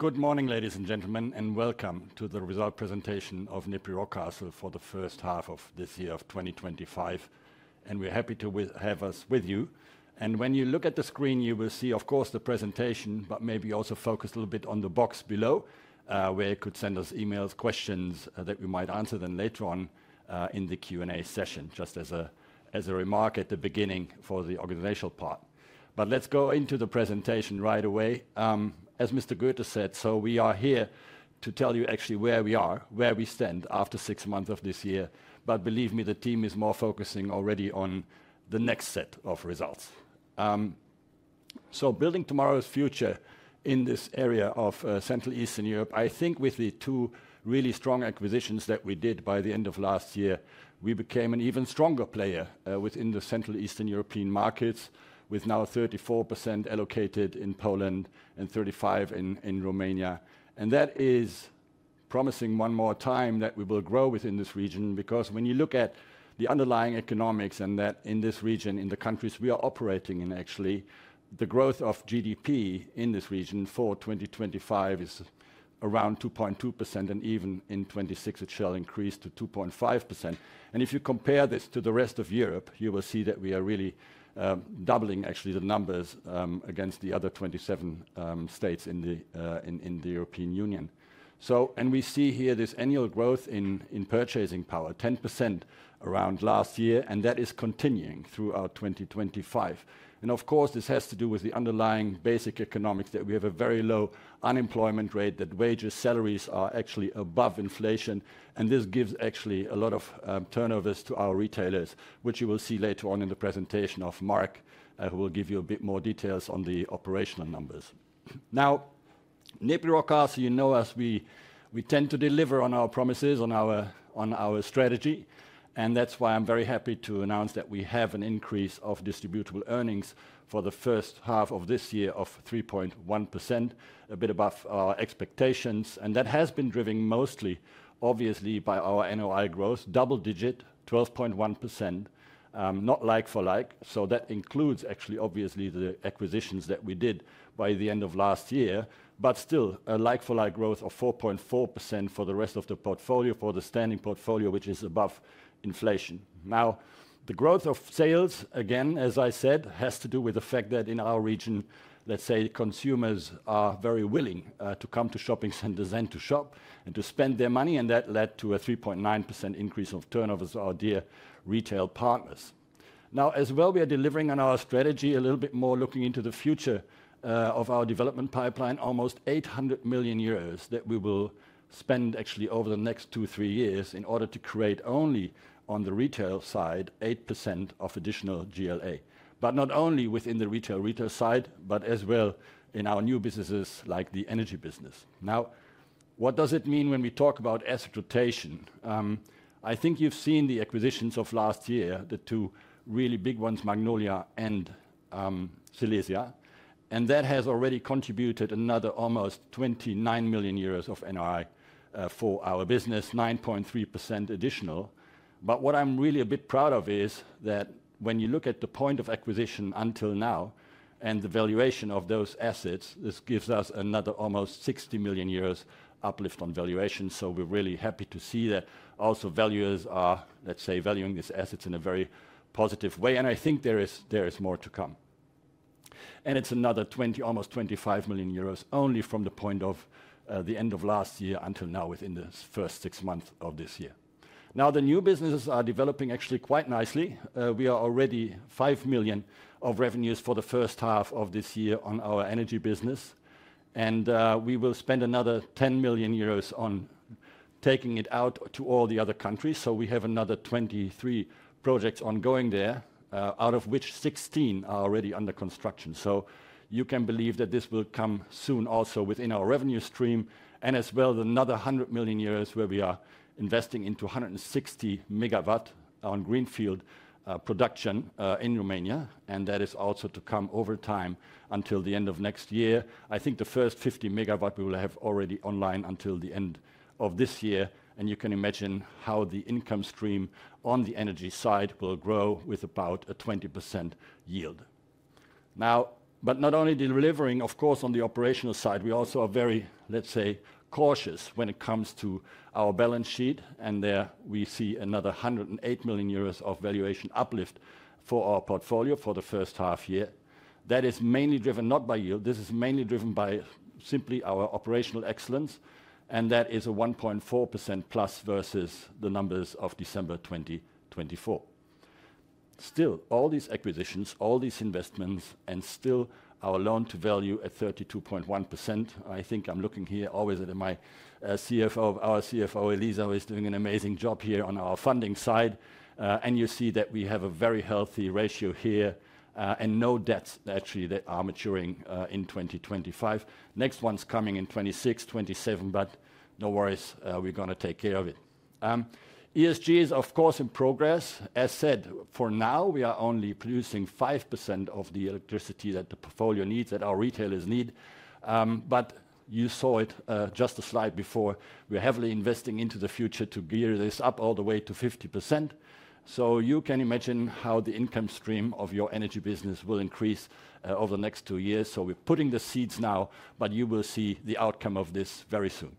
Good morning, ladies and gentlemen, and welcome to the result presentation of NEPI Rockcastle for the first half of this year of 2025. We're happy to have us with you. When you look at the screen, you will see, of course, the presentation, but maybe also focus a little bit on the box below where you could send us emails, questions that we might answer later on in the Q and A session. Just as a remark at the beginning for the organizational part, let's go into the presentation right away, as [Mr. Goethe] said. We are here to show you actually where we are, where we stand after six months of this year. Believe me, the team is more focusing already on the next set of results. Building tomorrow's future in this area of Central and Eastern Europe. With the two really strong acquisitions that we did by the end of last year, we became an even stronger player within the Central and Eastern European markets, with now 34% allocated in Poland and 35% in Romania. That is promising one more time that we will grow within this region, because when you look at the underlying economics in this region, in the countries we are operating in, actually the growth of GDP in this region for 2025 is around 2.2% and even in 2026 it shall increase to 2.5%. If you compare this to the rest of Europe, you will see that we are really doubling actually the numbers against the other 27 states in the European Union. We see this annual growth in purchasing power, 10% around last year, and that is continuing throughout 2025. Of course, this has to do with the underlying basic economics, that we have a very low unemployment rate, that wages, salaries are actually above inflation, and this gives actually a lot of turnovers to our retailers, which you will see later on in the presentation of Marek, who will give you a bit more details on the operational numbers. Now, NEPI Rockcastle, you know us, we tend to deliver on our promises, on our strategy. That's why I'm very happy to announce that we have an increase of distributable earnings for the first half of this year of 3.1%, a bit above our expectations. That has been driven mostly obviously by our NOI growth, double digit 12.1%, not like for like. That includes actually obviously the acquisitions that we did by the end of last year, but still a lot like for like, growth of 4.4% for the rest of the portfolio, for the standing portfolio, which is above inflation. Now, the growth of sales, again, as I said, has to do with the fact that in our region, let's say, consumers are very willing to come to shopping centres and to shop and to spend their money. That led to a 3.9% increase of turnovers. Our dear retail partners. Now as well, we are delivering on our strategy a little bit more, looking into the future of our development pipeline. Almost 800 million euros that we will spend actually over the next two, three years in order to create only on the retail side, 8% of additional GLA, but not only within the retail side, but as well in our new businesses like the energy business. Now, what does it mean when we talk about asset rotation? I think you've seen the acquisitions of last year, the two really big ones, Magnolia Park and Silesia City Center, and that has already contributed another almost 29 million euros of NOI for our business, 9.3% additional. What I'm really a bit proud of is that when you look at the point of acquisition until now and the valuation of those assets, this gives us another almost 60 million uplift on valuation. We're really happy to see that also valuers are, let's say, valuing these assets in a very positive way. I think there is more to come. It's another 20, almost 25 million euros only from the point of the end of last year until now, within the first six months of this year. Now the new businesses are developing actually quite nicely. We are already 5 million of revenues for the first half of this year on our energy business, and we will spend another 10 million euros on taking it out to all the other countries. We have another 23 projects ongoing there, out of which 16 are already under construction. You can believe that this will come soon also within our revenue stream. As well, another 100 million euros where we are investing into 160 MW on greenfield production in Romania. That is also to come over time until the end of next year. I think the first 50 MW we will have already online until the end of this year. You can imagine how the income stream on the energy side will grow with about a 20% yield now. Not only delivering, of course, on the operational side, we also are very, let's say, cautious when it comes to our balance sheet. There we see another 108 million euros of valuation uplift for our portfolio for the first half year. That is mainly driven not by yield, this is mainly driven by simply our operational excellence. That is a 1.4%+ versus the numbers of December 2024. Still, all these acquisitions, all these investments, and still our loan-to-value ratio at 32.1%. I think I'm looking here always at my CFO. Our CFO, Eliza, is doing an amazing job here on our funding side. You see that we have a very healthy ratio here and no debts actually that are maturing in 2025. Next ones coming in 2026, 2027, but no worries, we're going to take care of it. ESG is of course in progress. As said, for now we are only producing 5% of the electricity that the portfolio needs, that our retailers need. You saw it just a slide before. We're heavily investing into the future to gear this up all the way to 50%. You can imagine the income stream of your energy business will increase over the next two years. We're putting the seeds now, but you will see the outcome of this very soon.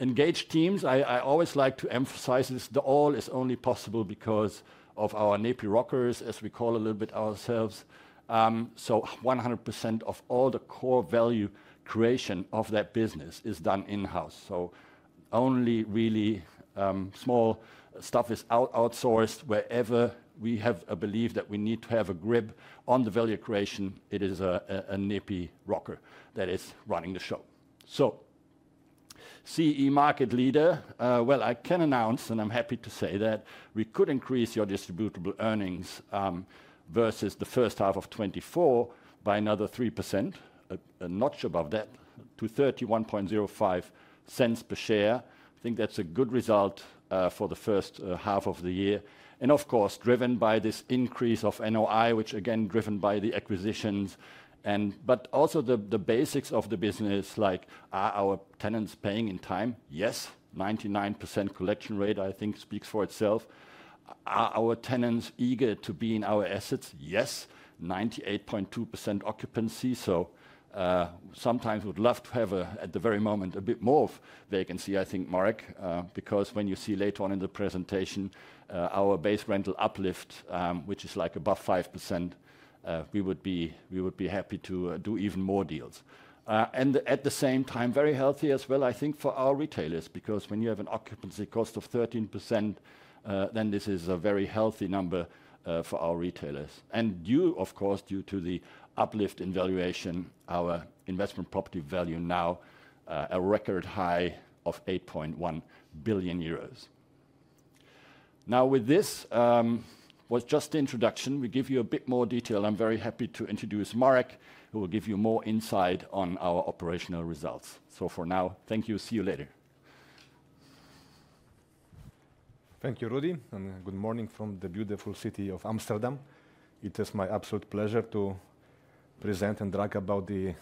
Engaged teams. I always like to emphasize this. All is only possible because of our [NEPI-rockers], as we call a little bit ourselves. 100% of all the core value creation of that business is done in house. Only really small stuff is outsourced wherever we have a belief that we need to have a grip on the value creation. It is a [NEPI-rocker] that is running the show. CE market leader. I can announce, and I'm happy to say that we could increase your distributable earnings versus 1H 2024 by another 3%, a notch above that to 31.05 per share. I think that's a good result for the first half of the year. Of course, driven by this increase of NOI, which again driven by the acquisitions, but also the basics of the business, like are our tenants paying in time? Yes, 99% collection rate, I think speaks for itself. Are our tenants eager to be in our assets? Yes, 98.2% occupancy. Sometimes we'd love to have at the very moment a bit more of vacancy, I think, Marek, because when you see later on in the presentation our base rental uplift, which is like above 5%, we would be happy to do even more deals. At the same time, very healthy as well, I think for our retailers. When you have an occupancy cost of 13%, then this is a very healthy number for our retailers. Due to the uplift in valuation, our investment property value now a record high of 8.1 billion euros. This was just the introduction, we give you a bit more detail. I'm very happy to introduce Marek Noetzel, who will give you more insight on our operational results. For now, thank you, see you later. Thank you, Rüdi, and good morning from the beautiful city of Amsterdam. It is my absolute pleasure to present and talk about the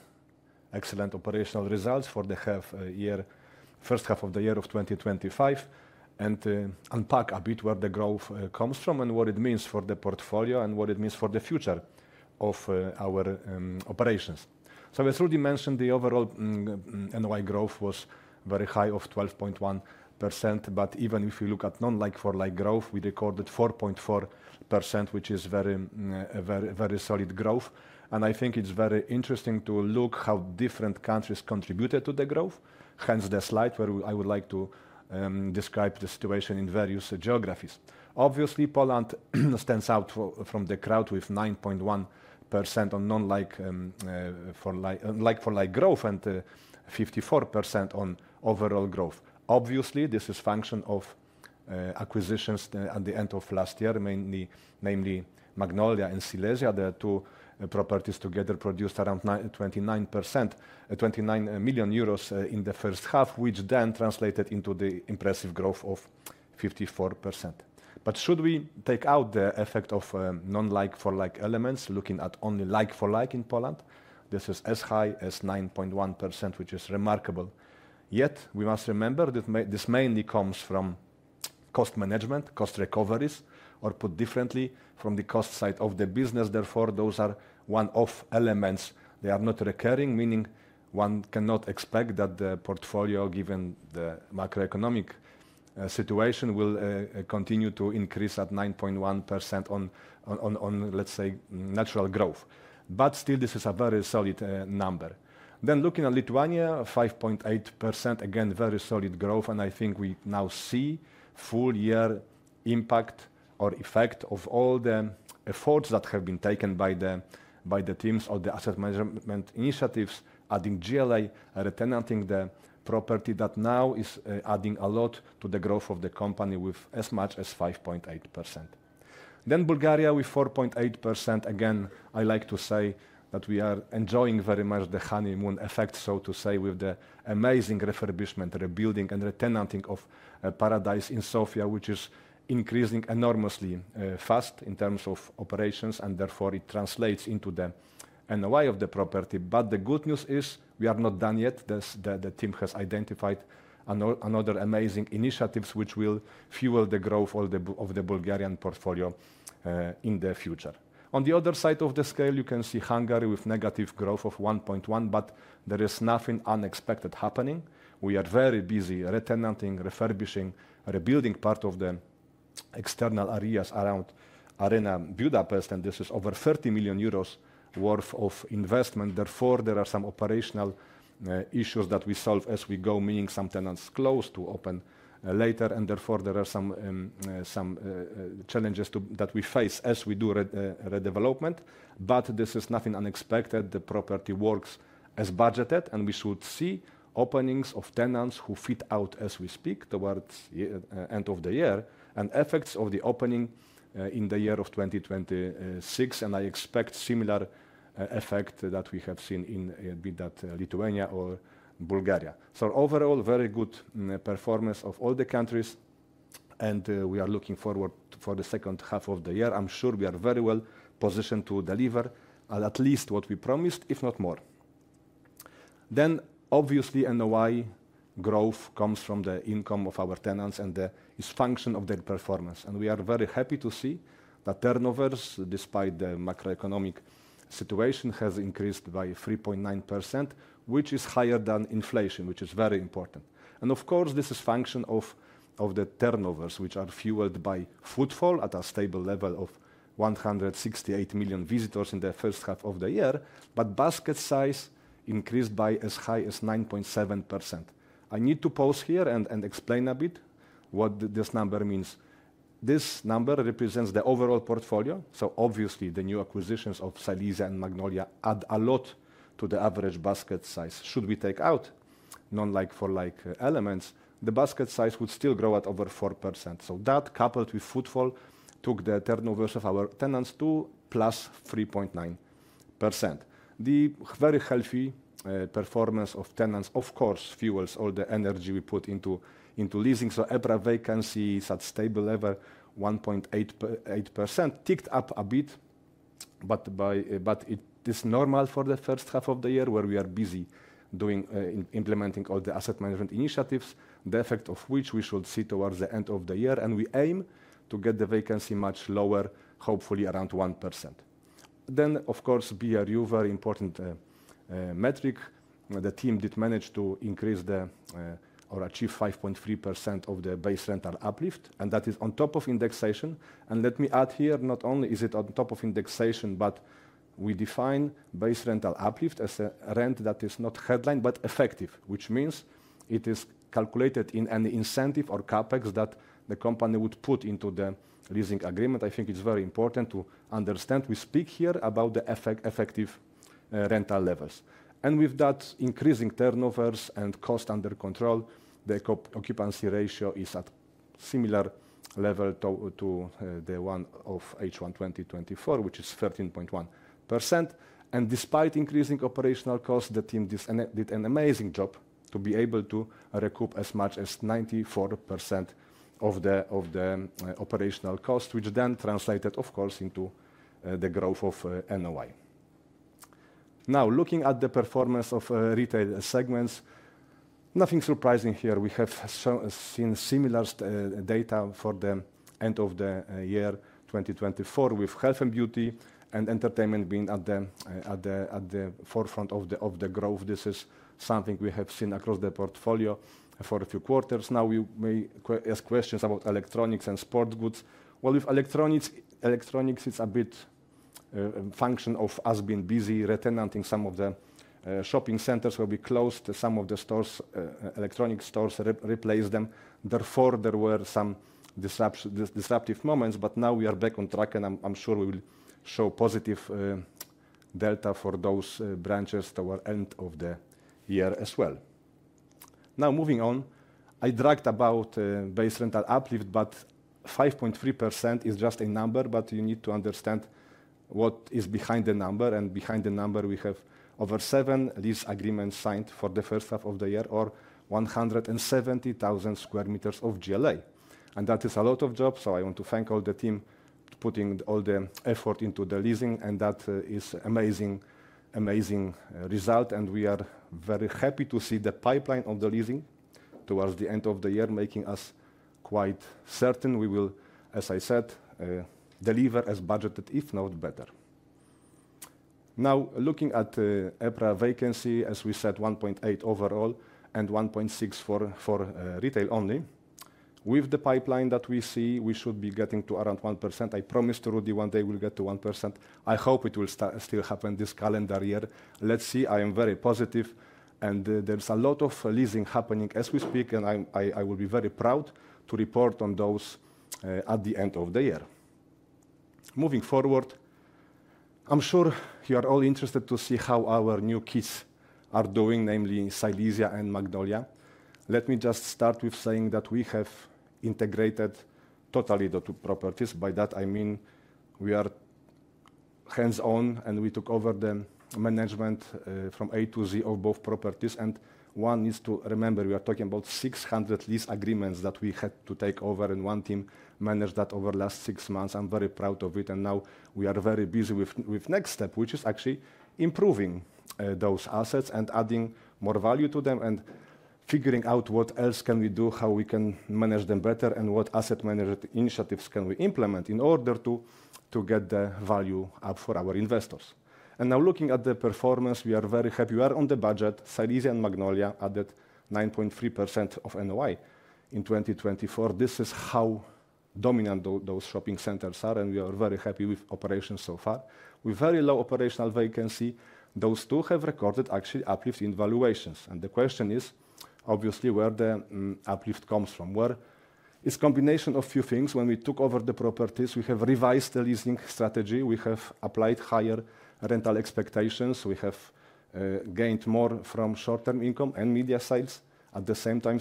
excellent operational results for the half year, first half of the year of 2025. Unpack a bit where the growth comes from and what it means for the portfolio and what it means for the future of our operations. As Rüdi mentioned, the overall NOI growth was very high at 12.1%. Even if you look at non like-for-like growth, we recorded 4.4%, which is very, very, very solid growth. I think it's very interesting to look at how different countries contributed to the growth, hence the slide where I would like to describe the situation in various geographies. Obviously, Poland stands out from the crowd with 9.1% on non like-for-like growth and 54% on overall growth. This is a function of acquisitions at the end of last year, mainly Magnolia Park and Silesia City Center. The two properties together produced around 29 million euros in the first half, which then translated into the impressive growth of 54%. Should we take out the effect of non like-for-like elements, looking at only like-for-like in Poland, this is as high as 9.1%, which is remarkable. Yet we must remember that this mainly comes from cost management, cost recoveries, or put differently, from the cost side of the business. Therefore, those are one-off elements; they are not recurring, meaning one cannot expect that the portfolio, given the macroeconomic situation, will continue to increase at 9.1% on, let's say, natural growth. Still, this is a very solid number. Looking at Lithuania, 5.8%, again very solid growth. I think we now see full year impact or effect of all the efforts that have been taken by the teams of the asset management initiatives. Adding GLA, retenanting the property that now is adding a lot to the growth of the company with as much as 5.8%. Bulgaria with 4.8%. I like to say that we are enjoying very much the honeymoon effect, so to say, with the amazing refurbishment, rebuilding, and retenanting of Paradise in Sofia, which is increasing enormously fast in terms of operations and therefore it translates into the NOI of the property. The good news is we are not done yet. The team has identified another amazing initiatives which will fuel the growth of the Bulgarian portfolio in the future. On the other side of the scale you can see Hungary with negative growth of 1.1%, but there is nothing unexpected happening. We are very busy retenanting, refurbishing, rebuilding part of the external areas around Arena Budapest, and this is over 30 million euros worth of investment. Therefore, there are some operational issues that we solve as we go, meaning some tenants close to open later, and therefore there are some challenges that we face as we do redevelopment development. This is nothing unexpected. The property works as budgeted, and we should see openings of tenants who fit out as we speak towards end of the year and effects of the opening in the year of 2026. I expect similar effect that we have seen in be that Lithuania or Bulgaria. Overall, very good performance of all the countries and we are looking forward for the second half of the year. I'm sure we are very well positioned to deliver at least what we promised, if not more. Obviously, NOI growth comes from the income of our tenants and is function of their performance. We are very happy to see that turnovers, despite the macroeconomic situation, has increased by 3.9%, which is higher than inflation, which is very important. Of course, this is function of the turnovers which are fueled by footfall at a stable level of 168 million visitors in the first half of the year, but basket size increased by as high as 9.7%. I need to pause here and explain a bit what this number means. This number represents the overall portfolio, so obviously the new acquisitions of Silesia and Magnolia Park add a lot to the average basket size. Should we take out non like-for-like elements, the basket size would still grow at over 4%. That coupled with footfall took the turnovers of our tenants to +3.9%. The very healthy performance of tenants, of course, fuels all the energy we put into leasing. So EPRA vacancy at stable level 1.8% ticked up a bit, but it is normal for the first half of the year where we are busy implementing all the asset management initiatives, the effect of which we should see towards the end of the year. We aim to get the vacancy much lower, hopefully around 1%. BRU very important metric, the team did manage to increase the or achieve 5.3% of the base rental uplift, and that is on top of indexation. Let me add here, not only is it on top of indexation, but we define base rental uplift as a rent that is not headlined but effective, which means it is calculated in an incentive or CapEx that the company would put into the leasing agreement. I think it's very important to understand we speak here about the effective rental levels and with that increasing turnovers and cost under control, the occupancy ratio is at similar level to the one of H1 2024, which is 13.1%. Despite increasing operational costs, the team did an amazing job to be able to recoup as much as 94% of the operational cost, which then translated of course into the growth of NOI. Now, looking at the performance of retail segments, nothing surprising here. We have seen similar data for the end of the year 2024 with health and beauty and entertainment being at the forefront of the growth. This is something we have seen across the portfolio for a few quarters. We may ask questions about electronics and sport goods. With electronics, electronics is a bit function of us being busy retenanting. Some of the shopping centres will be closed, some of the stores, electronic stores replace them. Therefore there were some deceptive moments. We are back on track and I'm sure we will show positive delta for those branches toward end of the year as well. Moving on, I dragged about base rental uplift, but 5.3% is just a number. You need to understand what is behind the number. Behind the number we have over seven lease agreements signed for the first half of the year or 170,000 sq m of GLA and that is a lot of jobs. I want to thank all the team putting all the effort into the leasing and that is amazing, amazing result. We are very happy to see the pipeline of the leasing towards the end of the year making us quite certain we will, as I said, deliver as budgeted, if not better. Now looking at EPRA vacancy as we said, 1.8 overall and 1.6 for retail only. With the pipeline that we see, we should be getting to around 1%. I promise to Rüdiger one day we'll get to 1%. I hope it will still happen this calendar year. Let's see. I am very positive and there's a lot of leasing happening as we speak and I will be very proud to report on those at the end of the year. Moving forward, I'm sure you are all interested to see how our new kits are doing, namely Silesia and Magnolia Park. Let me just start with saying that we have integrated totally the two properties. By that I mean we are hands on and we took over the management from A to Z of both properties. One needs to remember we are talking about 600 lease agreements that we had to take over and one team managed that over the last six months. I'm very proud of it. We are very busy with the next step, which is actually improving those assets and adding more value to them and figuring out what else can we do, how we can manage them better, and what asset management initiatives we can implement in order to get the value up for our investors. Now looking at the performance, we are very happy we are on the budget. Silesia and Magnolia Park added 9.3% of NOI in 2024. This is how dominant those shopping centres are and we are very happy with operations so far with very low operational vacancy. Those two have recorded actually uplift in valuations and the question is obviously where the uplift comes from, where it's a combination of a few things. When we took over the properties, we have revised the leasing strategy. We have applied higher rental expectations, we have gained more from short term income and media sales. At the same time,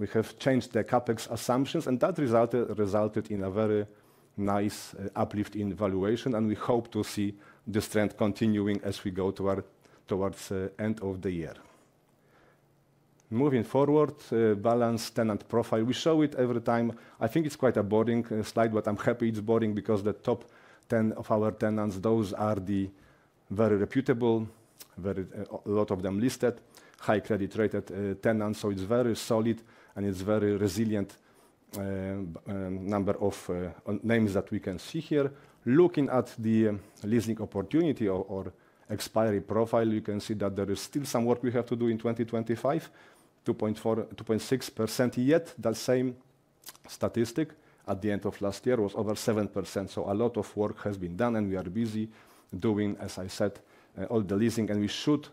we have changed the CapEx assumptions and that resulted in a very nice uplift in valuation and we hope to see this trend continuing as we go towards the end of the year moving forward. Balance tenant profile, we show it every time. I think it's quite a boring slide but I'm happy it's boring because the top 10 of our tenants, those are the very reputable, a lot of them listed, high credit rated tenants. It's very solid and it's very resilient. Number of names that we can see here. Looking at the leasing opportunity or expiry profile, you can see that there is still some work we have to do in 2025. 2.4%, 2.6% yet that same statistic at the end of last year was over 7%. A lot of work has been done and we are busy doing, as I said, all the leasing and we should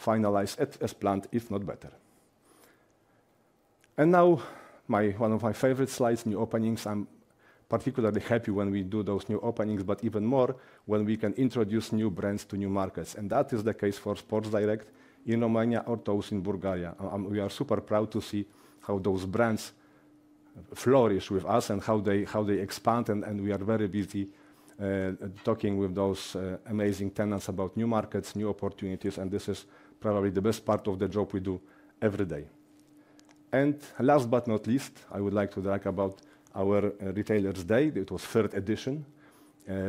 finalize as planned, if not better. One of my favorite slides, new openings. I'm particularly happy when we do those new openings but even more when we can introduce new brands to new markets. That is the case for Sports Direct in Romania or those in Bulgaria. We are super proud to see how those brands flourish with us and how they expand. We are very busy talking with those amazing tenants about new markets, new opportunities and this is probably the best part of the job we do every day. Last but not least, I would like to talk about our retailers. It was the third edition.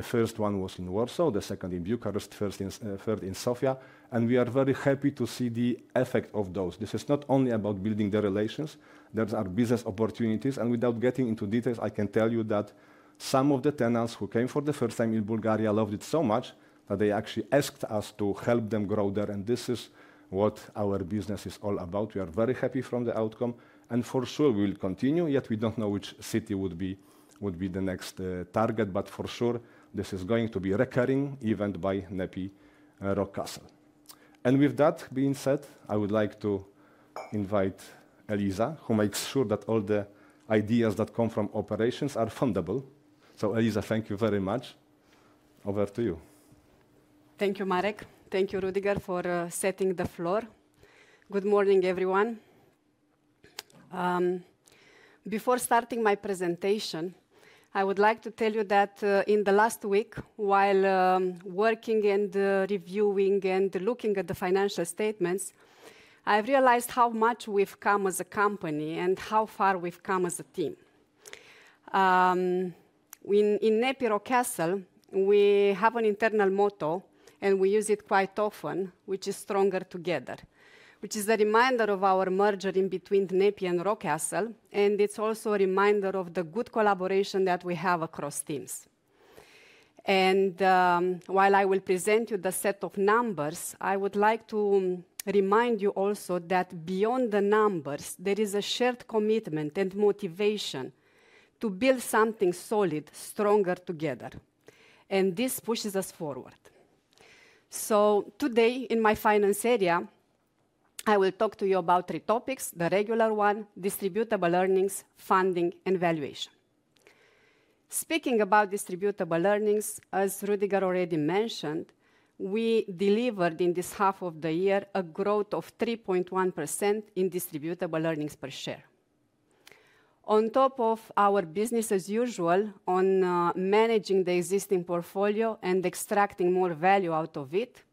First one was in Warsaw, the second in Bucharest, third in Sofia. We are very happy to see the effect of those. This is not only about building the relations. There are business opportunities and without getting into details, I can tell you that some of the tenants who came for the first time in Bulgaria loved it so much that they actually asked us to help them grow there. This is what our business is all about. We are very happy from the outcome and for sure we will continue. We don't know which city would be the next target, but for sure this is going to be a recurring event by NEPI Rockcastle. With that being said, I would like to invite Eliza, who makes sure that all the ideas that come from operations are fundable. Eliza, thank you very much. Over to you. Thank you, Marek. Thank you, Rüdiger, for setting the floor. Good morning everyone. Before starting my presentation, I would like to tell you that in the last week while working and reviewing and looking at the financial statements, I realized how much we've come as a company and how far we've come as a team. In NEPI Rockcastle we have an internal motto and we use it quite often, which is "Stronger Together", which is a reminder of our merger in between NEPI and Rockcastle. It's also a reminder of the good collaboration that we have across teams. While I will present you the set of numbers, I would like to remind you also that beyond the numbers there is a shared commitment and motivation to build something solid, stronger together. This pushes us forward. Today in my finance area, I will talk to you about three topics: the regular one, distributable earnings, funding and valuation. Speaking about distributable earnings, as Rüdiger already mentioned, we delivered in this half of the year a growth of 3.1% in distributable earnings per share. On top of our business as usual on managing the existing portfolio and extracting more value out of it,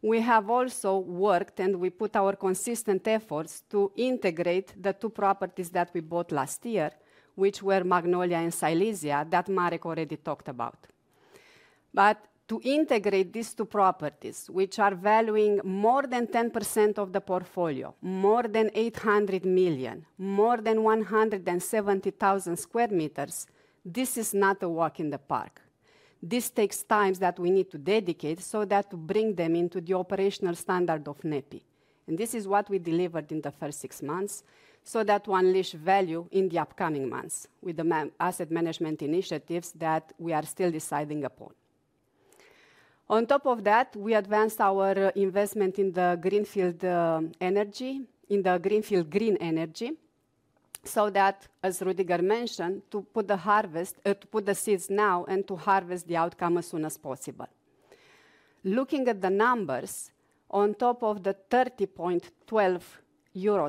we have also worked and we put our consistent efforts to integrate the two properties that we bought last year, which were Magnolia Park and Silesia City Center that Marek already talked about. To integrate these two properties which are valuing more than 10% of the portfolio, more than 800 million, more than 170,000 square meters, this is not a walk in the park. This takes time that we need to dedicate so that to bring them into the operational standard of NEPI. This is what we delivered in the first six months so that to unleash value in the upcoming months with the asset management initiatives that we are still deciding upon. On top of that, we advance our investment in the greenfield energy, in the greenfield green energy, so that as Rüdiger mentioned, to put the seeds now and to harvest the outcome as soon as possible. Looking at the numbers, on top of the 30.12 euro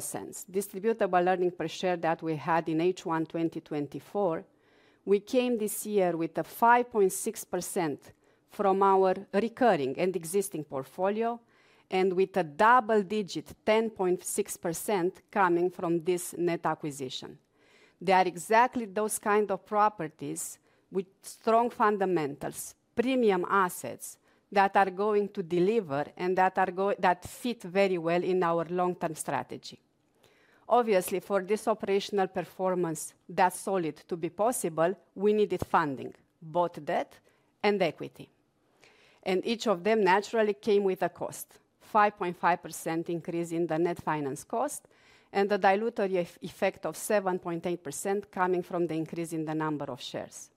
distributable earnings per share that we had in H1 2024, we came this year with a 5.6% from our recurring and existing portfolio and with a double digit 10.6% coming from this net acquisition. They are exactly those kind of properties with strong fundamentals, premium assets that are going to deliver and that fit very well in our long term strategy. Obviously, for this operational performance that solid to be possible, we needed funding, both debt and equity. Each of them naturally came with a 5.5% increase in the net finance cost and the dilutive effect of 7.8% coming from the increase in the number of shares.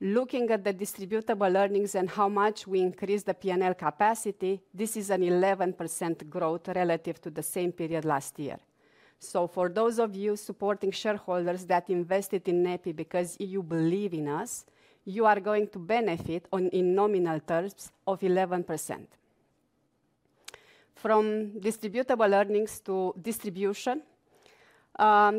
Looking at the distributable earnings and how much we increase the P&L capacity, this is an 11% growth relative to the same period last year. For those of you supporting shareholders that invested in NEPI Rockcastle because you believe in us, you are going to benefit in nominal terms of 11% from distributable earnings to distribution.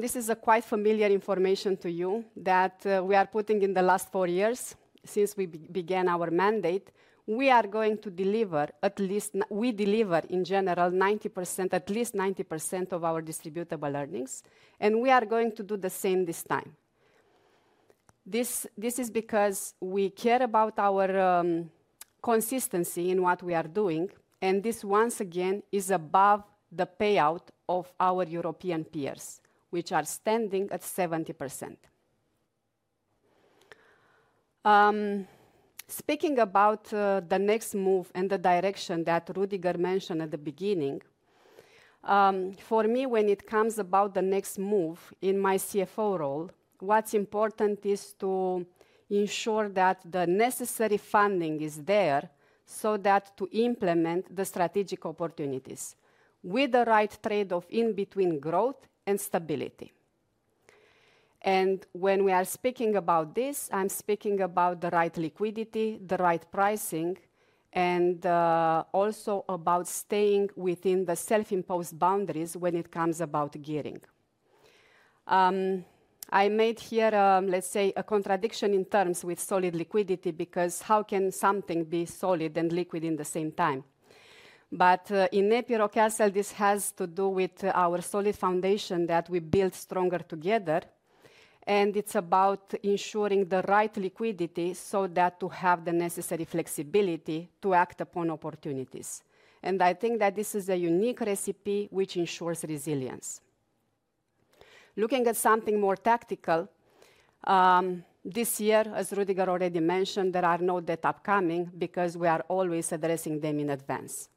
This is quite familiar information to you that we are putting in the last four years since we began our mandate. We are going to deliver, at least, we deliver in general 90%, at least 90% of our distributable earnings and we are going to do the same this time. This is because we care about our consistency in what we are doing. This once again is above the payout of our European peers which are standing at 70%. Speaking about the next move and the direction that Rüdiger mentioned at the beginning, for me, when it comes about the next move in my CFO role, what's important is to ensure that the necessary funding is there to implement the strategic opportunities with the right trade-off between growth and stability. When we are speaking about this, I'm speaking about the right liquidity, the right pricing, and also about staying within the self-imposed boundaries when it comes about gearing. I made here, let's say, a contradiction in terms with solid liquidity because how can something be solid and liquid at the same time? In NEPI Rockcastle, this has to do with our solid foundation that we build stronger together. It's about ensuring the right liquidity to have the necessary flexibility to act upon opportunities. I think that this is a unique recipe which ensures resilience. Looking at something more tactical this year, as Rüdiger already mentioned, there are no debt upcoming because we are always addressing them in advance.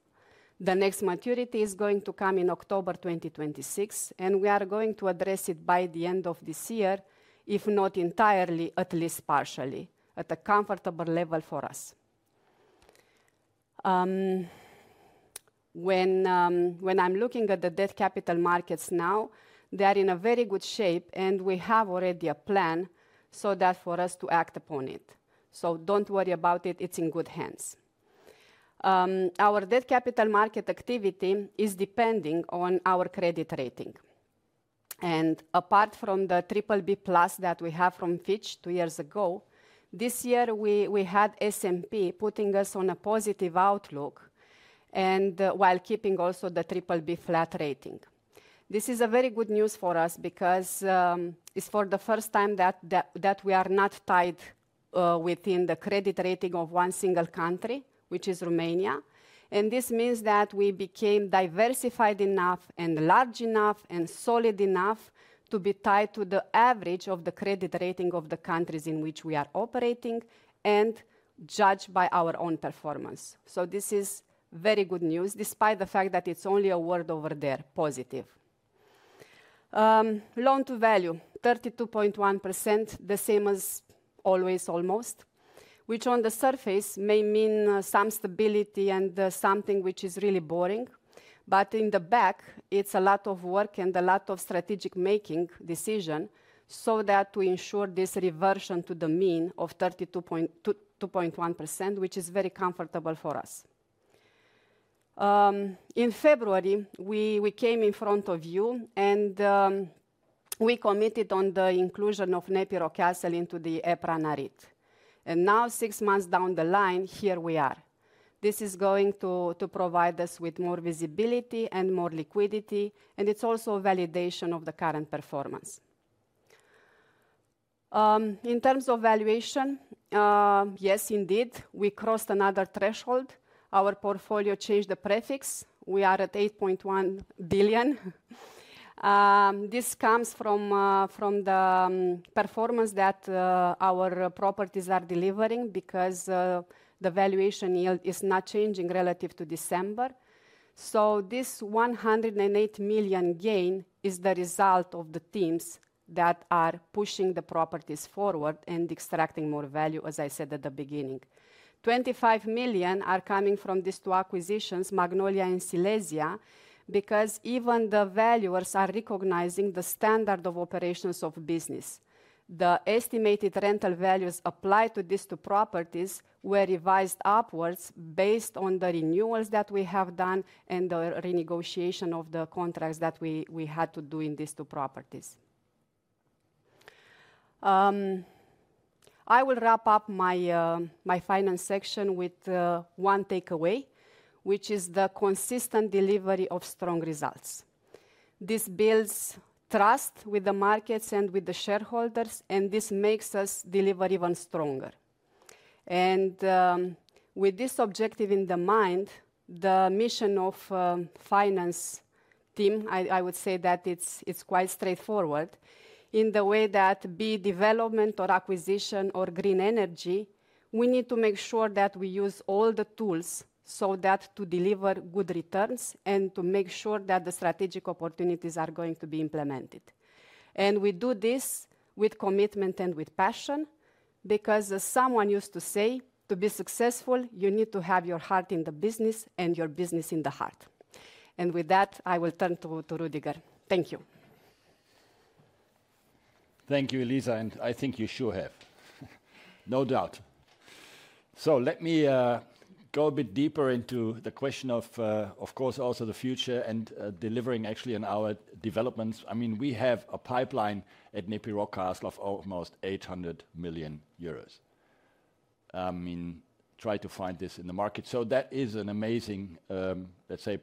The next maturity is going to come in October 2026 and we are going to address it by the end of this year, if not entirely, at least partially at a comfortable level for us. When I'm looking at the debt capital markets now, they are in a very good shape and we have already a plan for us to act upon it. Don't worry about it, it's in good hands. Our debt capital market activity is depending on our credit rating, and apart from the BBB that we have from Fitch two years ago, this year we had S&P putting us on a positive outlook while keeping also the BBB flat rating. This is very good news for us because it's for the first time that we are not tied within the credit rating of one single country, which is Romania. This means that we became diversified enough and large enough and solid enough to be tied to the average of the credit rating of the countries in which we are operating and judged by our own performance. This is very good news, despite the fact that it's only a word over there. Positive loan-to-value 32.1%, the same as always almost, which on the surface may mean some stability and something which is really boring. In the back, it's a lot of work and a lot of strategic making decision so that we ensure this reversion to the mean of 32.1%, which is very comfortable for us. In February, we came in front of you and we committed on the inclusion of NEPI Rockcastle into the EPRA Nareit. Now, six months down the line, here we are. This is going to provide us with more visibility and more liquidity, and it's also a validation of the current performance in terms of valuation. Yes, indeed, we crossed another threshold. Our portfolio changed the prefix. We are at 8.1 billion. This comes from the performance that our properties are delivering because the valuation yield is not changing relative to December. This 108 million gain is the result of the teams that are pushing the properties forward and extracting more value. As I said at the beginning, 25 million are coming from these two acquisitions, Magnolia Park and Silesia City Center, because even the valuers are recognizing the standard of operations of business. The estimated rental values applied to these two properties were revised upwards based on the renewals that we have done and the renegotiation of the contracts that we had to do in these two properties. I will wrap up my finance section with one takeaway, which is the consistent delivery of strong results. This builds trust with the markets and with the shareholders, and this makes us deliver even stronger. With this objective in mind, the mission of the finance team, I would say that it's quite straightforward in the way that, be it development or acquisition or green energy, we need to make sure that we use all the tools to deliver good returns and to make sure that the strategic opportunities are going to be implemented. We do this with commitment and with passion, because as someone used to say, to be successful, you need to have your heart in the business and your business in the heart. With that, I will turn to Rüdiger. Thank you. Thank you, Eliza. I think you sure have no doubt. Let me go a bit deeper into the question of, of course, also the future and delivering actually in our developments. We have a pipeline at NEPI Rockcastle of almost 800 million euros. Try to find this in the market. That is an amazing, let's say,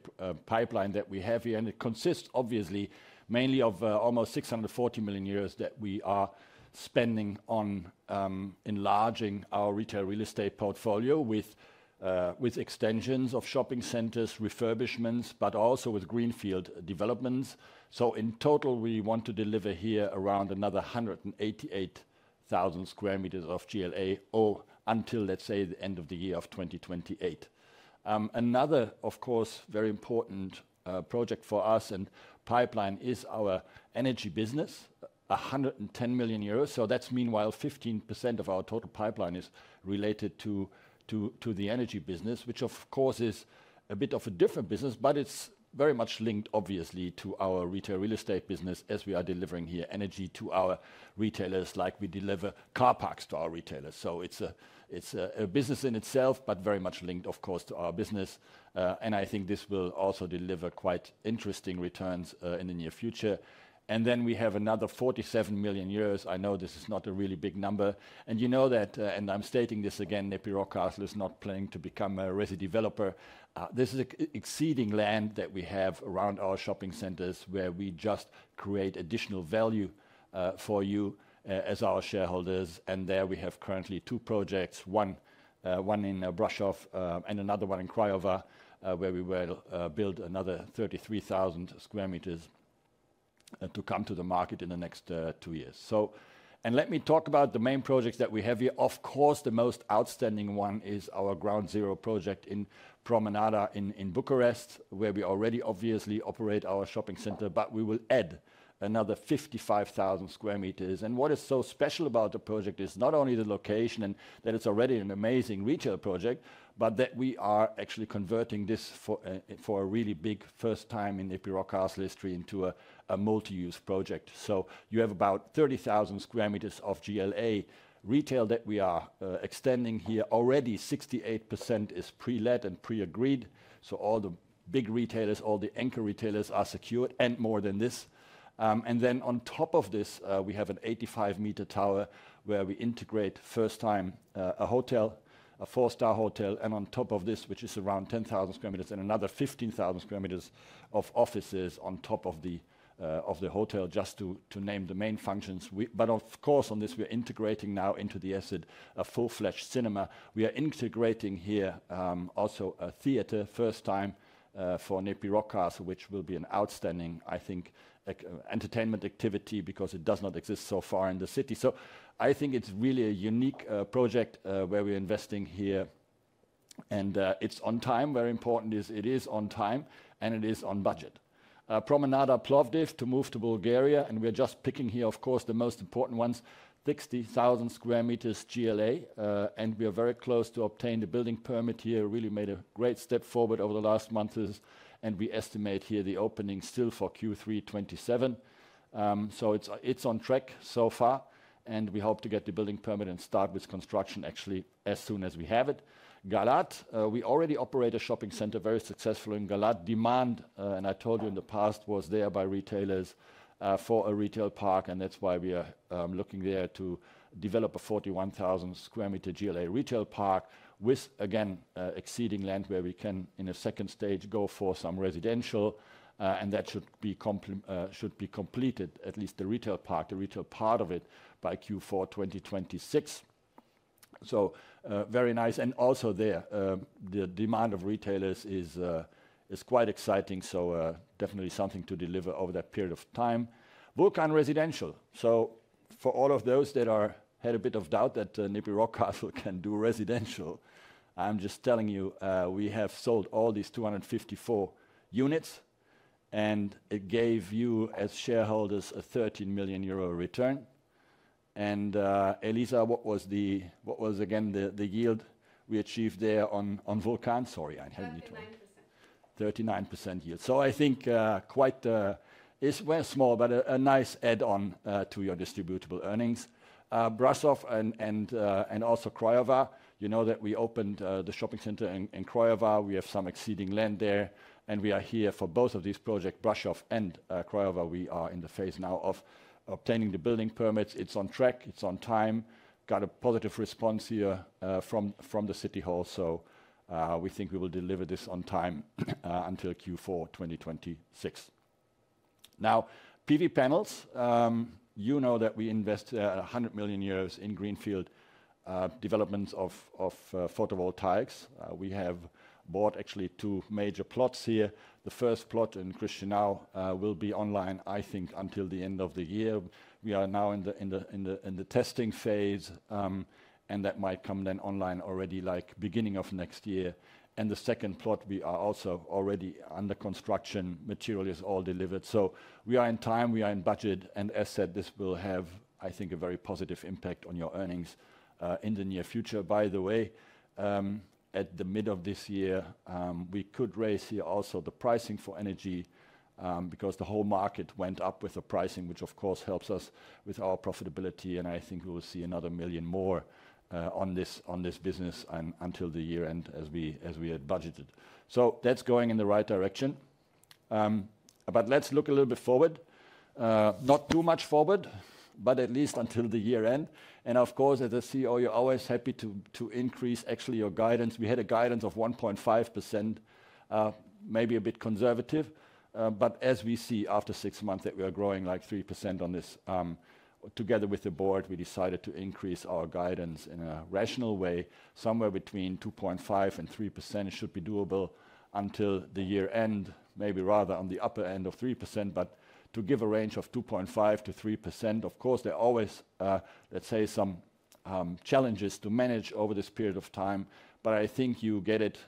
pipeline that we have here. It consists obviously mainly of almost 640 million euros that we are spending on enlarging our retail real estate portfolio with extensions of shopping centres, refurbishments, but also with greenfield projects. In total, we want to deliver here around another 188,000 sq m of GLA until, let's say, the end of the year 2028. Another, of course, very important project for us and pipeline is our energy business, 110 million euros. That's meanwhile 15% of our total pipeline is related to the energy business, which of course is a bit of a different business, but it's very much linked obviously to our retail real estate business, as we are delivering here energy to our retailers, like we deliver car parks to our retailers. It's a business in itself, but very much linked, of course, to our business. I think this will also deliver quite interesting returns in the near future. We have another 47 million. I know this is not a really big number, and you know that, and I'm stating this again. NEPI Rockcastle is not planning to become a residential developer. This is exceeding land that we have around our shopping centres, where we just create additional value for you as our shareholders. There we have currently two projects, one in Brașov and another one in Craiova, where we will build another 33,000 sq m to come to the market in the next two years. Let me talk about the main projects that we have here. The most outstanding one is our ground zero project in Promenada in Bucharest, where we already obviously operate our shopping centre. We will add another 55,000 sq m. What is so special about the project is not only the location and that it's already an amazing retail project, but that we are actually converting this for a really big first time in NEPI Rockcastle history into a multi use project. You have about 30,000 sq m of GLA retail that we are extending here. Already 68% is pre-let and pre-agreed. All the big retailers, all the anchor retailers are secured and more than this. On top of this, we have an 85 m tower where we integrate, for the first time, a hotel, a four-star hotel. On top of this, which is around 10,000 sq m, and another 15,000 sq m of offices on top of the hotel, just to name the main functions. Of course, on this, we're integrating now into the asset a full-fledged cinema. We are integrating here also a theater, first time for NEPI Rockcastle, which will be an outstanding, I think, entertainment activity because it does not exist so far in the city. I think it's really a unique project where we're investing here and it's on time. Very important is it is on time and it is on budget. Promenada Plovdiv, to move to Bulgaria, and we are just picking here, of course, the most important ones, 60,000 square meters GLA, and we are very close to obtaining the building permit here. Really made a great step forward over the last months, and we estimate here the opening still for Q3 2027. It's on track so far, and we hope to get the building permit and start with construction actually as soon as we have it. Galați, we already operate a shopping center, very successful in Galați. Demand, and I told you in the past, was there by retailers for a retail park. That's why we are looking there to develop a 41,000 sq m GLA retail park with, again, exceeding land where we can, in a second stage, go for some residential, and that should be completed, at least the retail park, the retail part of it, by Q4 2026. Very nice, and also there, the demand of retailers is quite exciting. Definitely something to deliver over that period of time. Vulcan Residential. For all of those that had a bit of doubt that NEPI Rockcastle can do residential, I'm just telling you we have sold all these 254 units, and it gave you as shareholders a 13 million euro return. Eliza, what was again the yield we achieved there on Vulcan? Sorry, I have 39% yield, so I think quite. It's very small, but a nice add-on to your distributable earnings. Brașov and also Craiova, you know that we opened the shopping center in Craiova. We have some exceeding land there, and we are here for both of these projects, Brașov and Craiova. We are in the phase now of obtaining the building permits. It's on track, it's on time. Got a positive response here from the City Hall. We think we will deliver this on time until Q4 2026. Now, PV panels, you know that we invest 100 million euros in greenfield developments of photovoltaics. We have bought actually two major plots here. The first plot in Chișineu-Criș will be online, I think until the end of the year. We are now in the testing phase and that might come then online already, like beginning of next year. The second plot, we are also already under construct when material is all delivered. We are in time, we are in budget. As said, this will have, I think, a very positive impact on your earnings in the near future. By the way, at the mid of this year we could raise here also the pricing for energy, because the whole market went up with the pricing, which of course helps us with our profitability. I think we will see another 1 million more on this business until the year end as we had budgeted. That's going in the right direction. Let's look a little bit forward, not too much forward, but at least until the year end. Of course, as a CEO, you're always happy to increase actually your guidance. We had a guidance of 1.5%. Maybe a bit conservative, but as we see after six months that we are growing like 3% on this, together with the board, we decided to increase our guidance in a rational way. Somewhere between 2.5%-3% should be doable until the year ends. Maybe rather on the upper end of 3%, but to give a range of 2.5%-3%. Of course, there are always, let's say, some challenges to manage over this period of time. I think you get it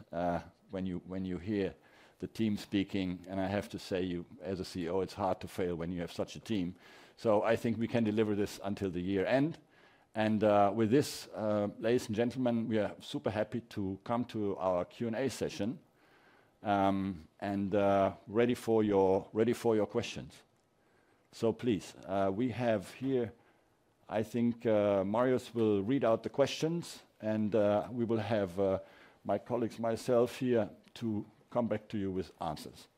when you hear the team speaking. I have to say, as a CEO, it's hard to fail when you have such a team. I think we can deliver this until the year end. With this, ladies and gentlemen, we are super happy to come to our Q and A session and ready for your questions. Please, we have here, I think, Marius will read out the questions and we will have my colleagues and myself here to come back to you with answers.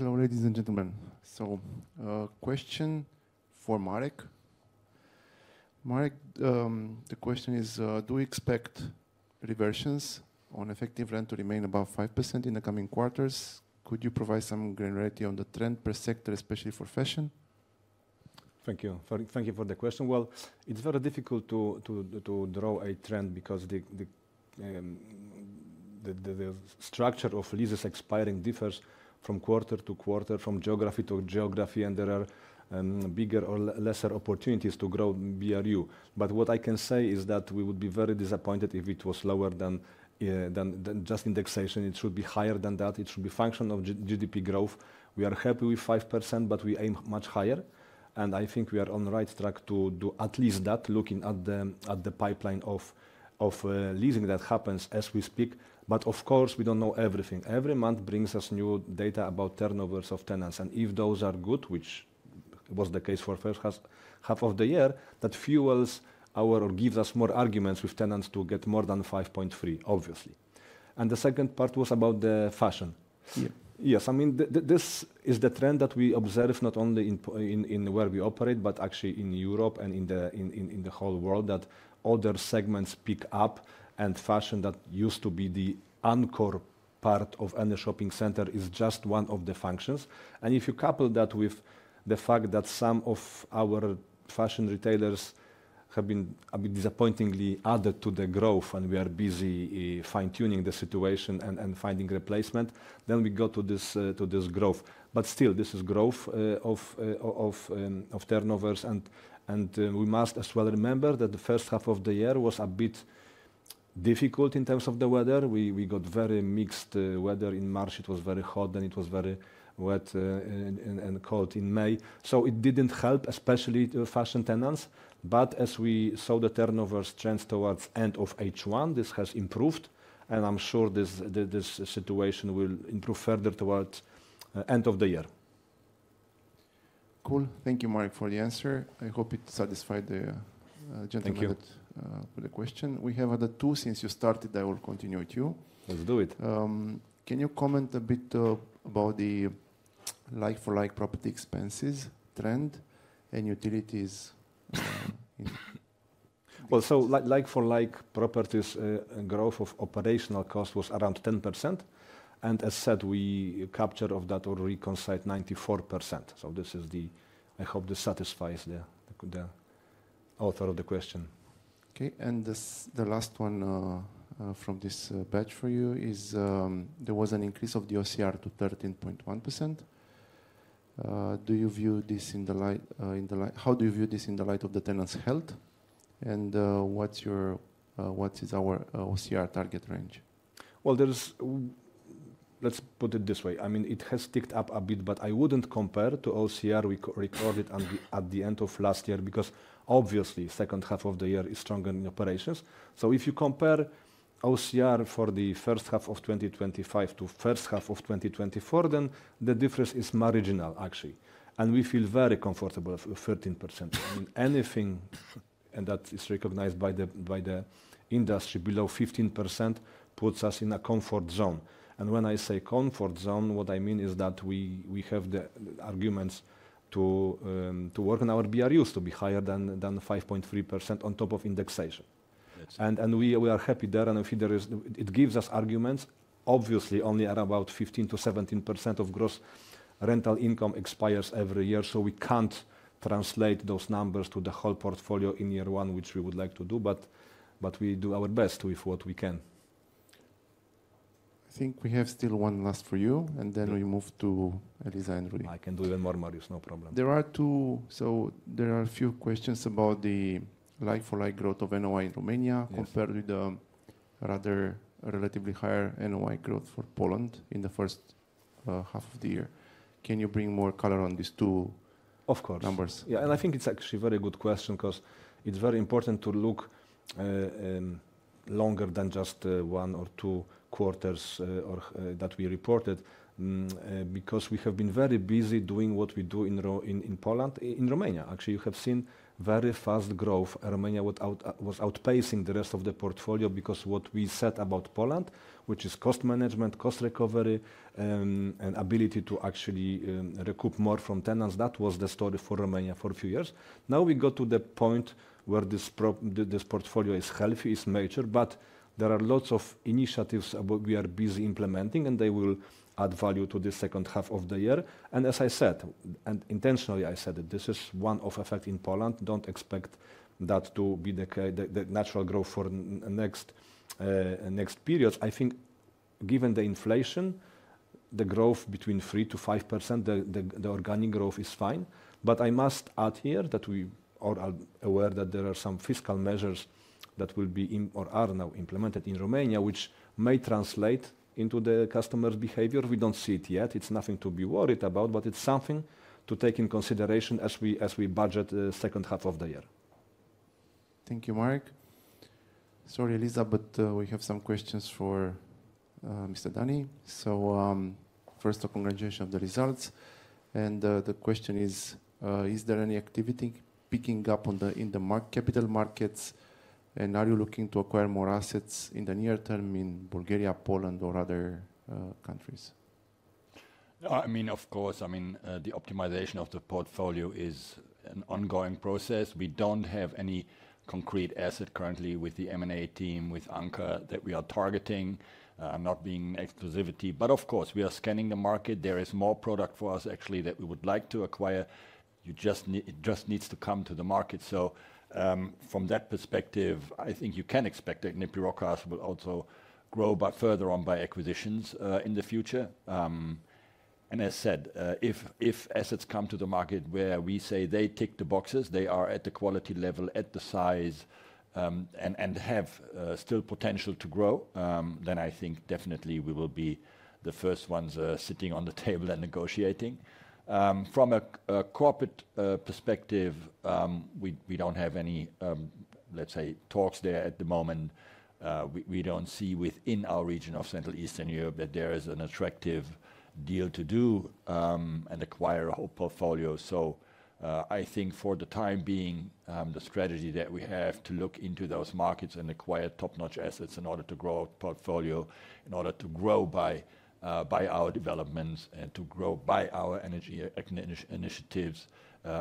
Hello, ladies and gentlemen. Question for Marek. Marek, the question is, do we expect reversions on effective rent to remain above 5% in the coming quarters? Could you provide some granularity on the trend per sector, especially for fashion. Thank you. Thank you for the question. It's very difficult to draw a trend because the structure of leases expiring differs from quarter to quarter, from geography to geography, and there are bigger or lesser opportunities to grow. What I can say is that we would be very disappointed if it was lower than just indexation. It should be higher than that. It should be a function of GDP growth. We are happy with 5%, but we aim much higher. I think we are on the right track to do at least that. Looking at the pipeline of leasing, that happens as we speak, but of course we don't know everything. Every month brings us new data about turnovers of tenants. If those are good, which was the case for the first half of the year, that fuels us or gives us more arguments with tenants to get more than 5.3%, obviously. The second part was about the fashion. Yeah. Yes. I mean this is the trend that we observe not only in where we operate, but actually in Europe and in the whole world that other segments pick up. Fashion, that used to be the encore part of any shopping center, is just one of the functions. If you couple that with the fact that some of our fashion retailers have been a bit disappointingly added to the growth and we are busy fine tuning the situation and finding replacement, we go to this growth. Still, this is growth of turnovers. We must as well remember that the first half of the year was a bit difficult in terms of the weather. We got very mixed weather in March; it was very hot. It was very wet and cold in May. It didn't help, especially to fashion tenants. As we saw the turnover strengths towards end of H1, this has improved and I'm sure this situation will improve further toward end of the year. Cool. Thank you, Marek, for the answer. I hope it satisfied the gentleman for the question. We have other two. Since you started the whole country, let's do it. Can you comment a bit about the like-for-like property expenses trend and utilities? Like for like properties, growth of operational cost was around 10%, and as said, we capture of that or reconcile 94%. I hope this satisfies the author of the question. Okay, and the last one from this batch for you is there was an increase of the OCR to 13.1%. Do you view this in the light? In the light. How do you view this in the light of the tenant's health and what is our OCR target range? Let's put it this way. I mean it has ticked up a bit. I wouldn't compare to OCR we recorded at the end of last year because obviously the second half of the year is stronger in operations. If you compare OCR for the first half of 2025 to the first half of 2024, then the difference is marginal actually. We feel very comfortable. 13% in anything that is recognized by the industry below 15% puts us in a comfort zone. When I say comfort zone, what I mean is that we have the arguments to work on our BRUS to be higher than 5.3% on top of index and we are happy there. If there is, it gives us arguments obviously only at about 15%-17% of gross rental income expires every year. We can't translate those numbers to the whole portfolio in year one, which we would like to do. We do our best with what we can. I think we have still one last for you, and then we move to. Alisa and I can do even more, Marek. No problem. There are a few questions about the like-for-like growth of NOI in Romania compared with relatively higher NOI growth for Poland in the first half of the year. Can you bring more color on these two? Of course, numbers. Yeah. I think it's actually a very good question because it's very important to look longer than just one or two quarters that we reported because we have been very busy doing what we do in Romania and Poland. In Romania, actually, you have seen that very fast growth. Romania was outpacing the rest of the portfolio because what we said about Poland, which is cost management, cost recovery, and ability to actually recoup more from tenants, that was the story for Romania for a few years. Now we go to the point where this portfolio is healthy in nature, but there are lots of initiatives we are busy implementing and they will add value to the second half of the year. As I said, and intentionally I said that this is one-off effect in Poland. Don't expect that to be the natural growth for next period. I think given the inflation, the growth between 3%-5%, the organic growth is fine. I must add here that we are aware that there are some fiscal measures that will be or are now implemented in Romania which may translate into the customer's behavior. We don't see it yet. It's nothing to be worried about, but it's something to take in consideration as we budget the second half of the year. Thank you, Marek. Sorry, Eliza, but we have some questions for Mr. Dany. First, congratulations on the results, and the question is, is there any activity picking up in the capital markets, and are you looking to acquire more assets in the near term in Bulgaria, Poland, or other countries? I mean, of course, the optimization of the portfolio is an ongoing process. We don't have any concrete asset currently with the M&A team, with Anca, that we are targeting, not being exclusivity, but of course we are scanning the market. There is more product for us actually that we would like to acquire. It just needs to come to the market. From that perspective, I think you can expect that NEPI Rockcastle will also grow further on by acquisitions in the future. As said, if assets come to the market where we say they tick the boxes, they are at the quality level, at the size, and have still potential to grow, then I think definitely we will be the first ones sitting on the table and negotiating. From a corporate perspective, we don't have any, let's say, talks there at the moment. We don't see within our region of Central and Eastern Europe that there is an attractive deal to do and acquire a whole portfolio. I think for the time being, the strategy is that we have to look into those markets and acquire top notch assets in order to grow our portfolio, in order to grow by our developments, and to grow by our energy initiatives,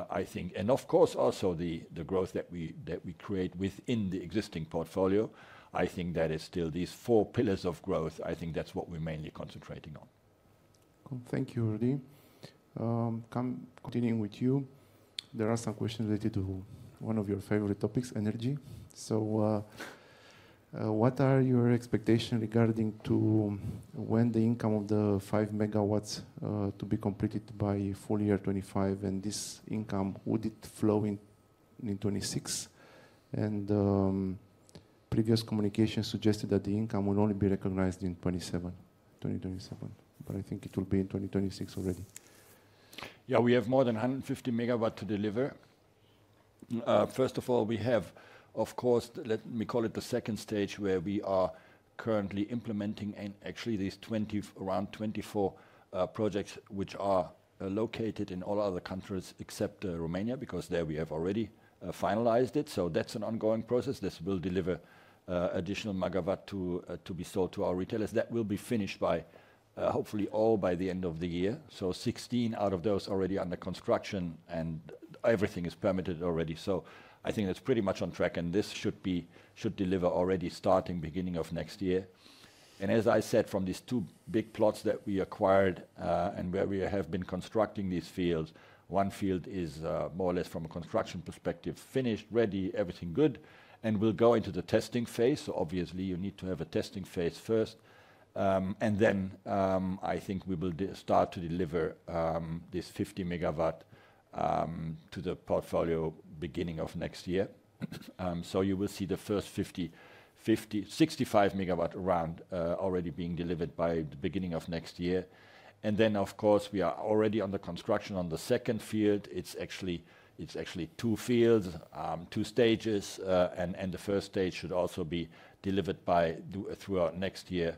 I think, and of course also the growth that we create within the existing portfolio. I think that is still these four pillars of growth. I think that's what we're mainly concentrating on. Thank you, Rüdiger. Continuing with you, there are some questions related to one of your favorite topics, energy. What are your expectations regarding when the income of the 5 MW to be completed by full year 2025, and this income, would it flow in 2026? Previous communication suggested that the income will only be recognized in 2026, but I think it will be in 2026 already. Yeah, we have more than 150 MW to deliver. First of all, we have, of course, let me call it the second stage where we are currently implementing actually these around 24 projects which are located in all other countries except Romania because there we have already finalized it. That's an ongoing process. This will deliver additional MW to be sold to our retailers that will be finished by hopefully all by the end of the year. Sixteen out of those are already under construction and everything is permitted already. I think that's pretty much on track. This should deliver already starting beginning of next year. As I said, from these two big plots that we acquired and where we have been constructing these fields, one field is more or less from a construction perspective finished, ready, everything good, and we'll go into the testing phase. Obviously, you need to have a testing phase first. I think we will start to deliver this 50 MW to the portfolio beginning of next year. You will see the first 50, 65 MW round already being delivered by the beginning of next year. We are already under construction on the second field. It's actually two fields, two stages, and the first stage should also be delivered throughout next year.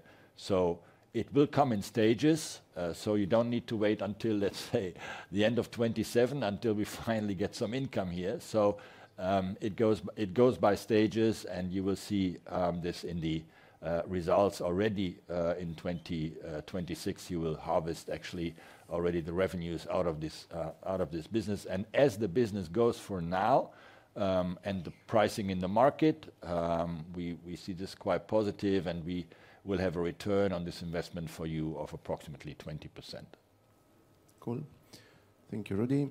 It will come in stages. You don't need to wait until, let's say, the end of 2027 until we finally get some income here. It goes by stages, and you will see this in the results already in 2026. You will harvest actually already the revenues out of this business. As the business goes for now, and the pricing in the market, we see this quite positive and we will have a return on this investment for you of approximately 20%. Cool. Thank you. Rüdiger,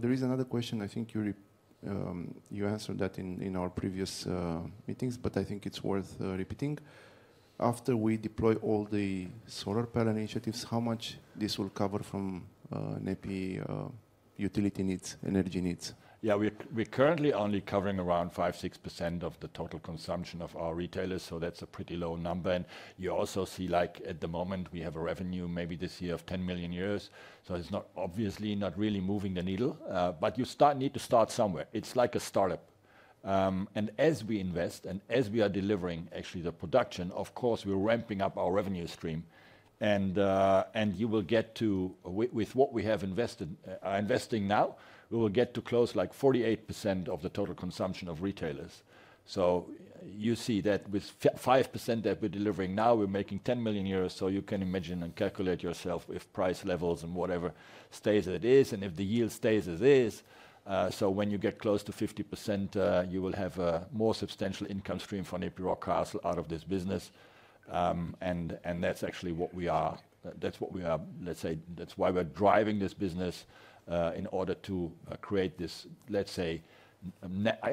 there is another question. I think you answered that in our previous meetings, but I think it's worth repeating. After we deploy all the solar power initiatives, how much will this cover from NEPI Rockcastle utility needs, energy needs? Yeah. We're currently only covering around 5, 6% of the total consumption of our retailers. That's a pretty low number. You also see, like at the moment we have a revenue maybe this year of 10 million euros. It's obviously not really moving the needle, but you need to start somewhere. It's like a startup. As we invest and as we are delivering actually the production, of course we're ramping up our revenue stream. You will get to, with what we have investing now, we will get to close like 48% of the total consumption of retailers. You see that with 5% that we're delivering now, we're making 10 million euros. You can imagine and calculate yourself if price levels and whatever stays as it is, and if the yield stays as is. When you get close to 50%, you will have a more substantial income stream for NEPI Rockcastle out of this business. That's actually what we are. That's what we are, let's say that's why we're driving this business in order to create this, let's say,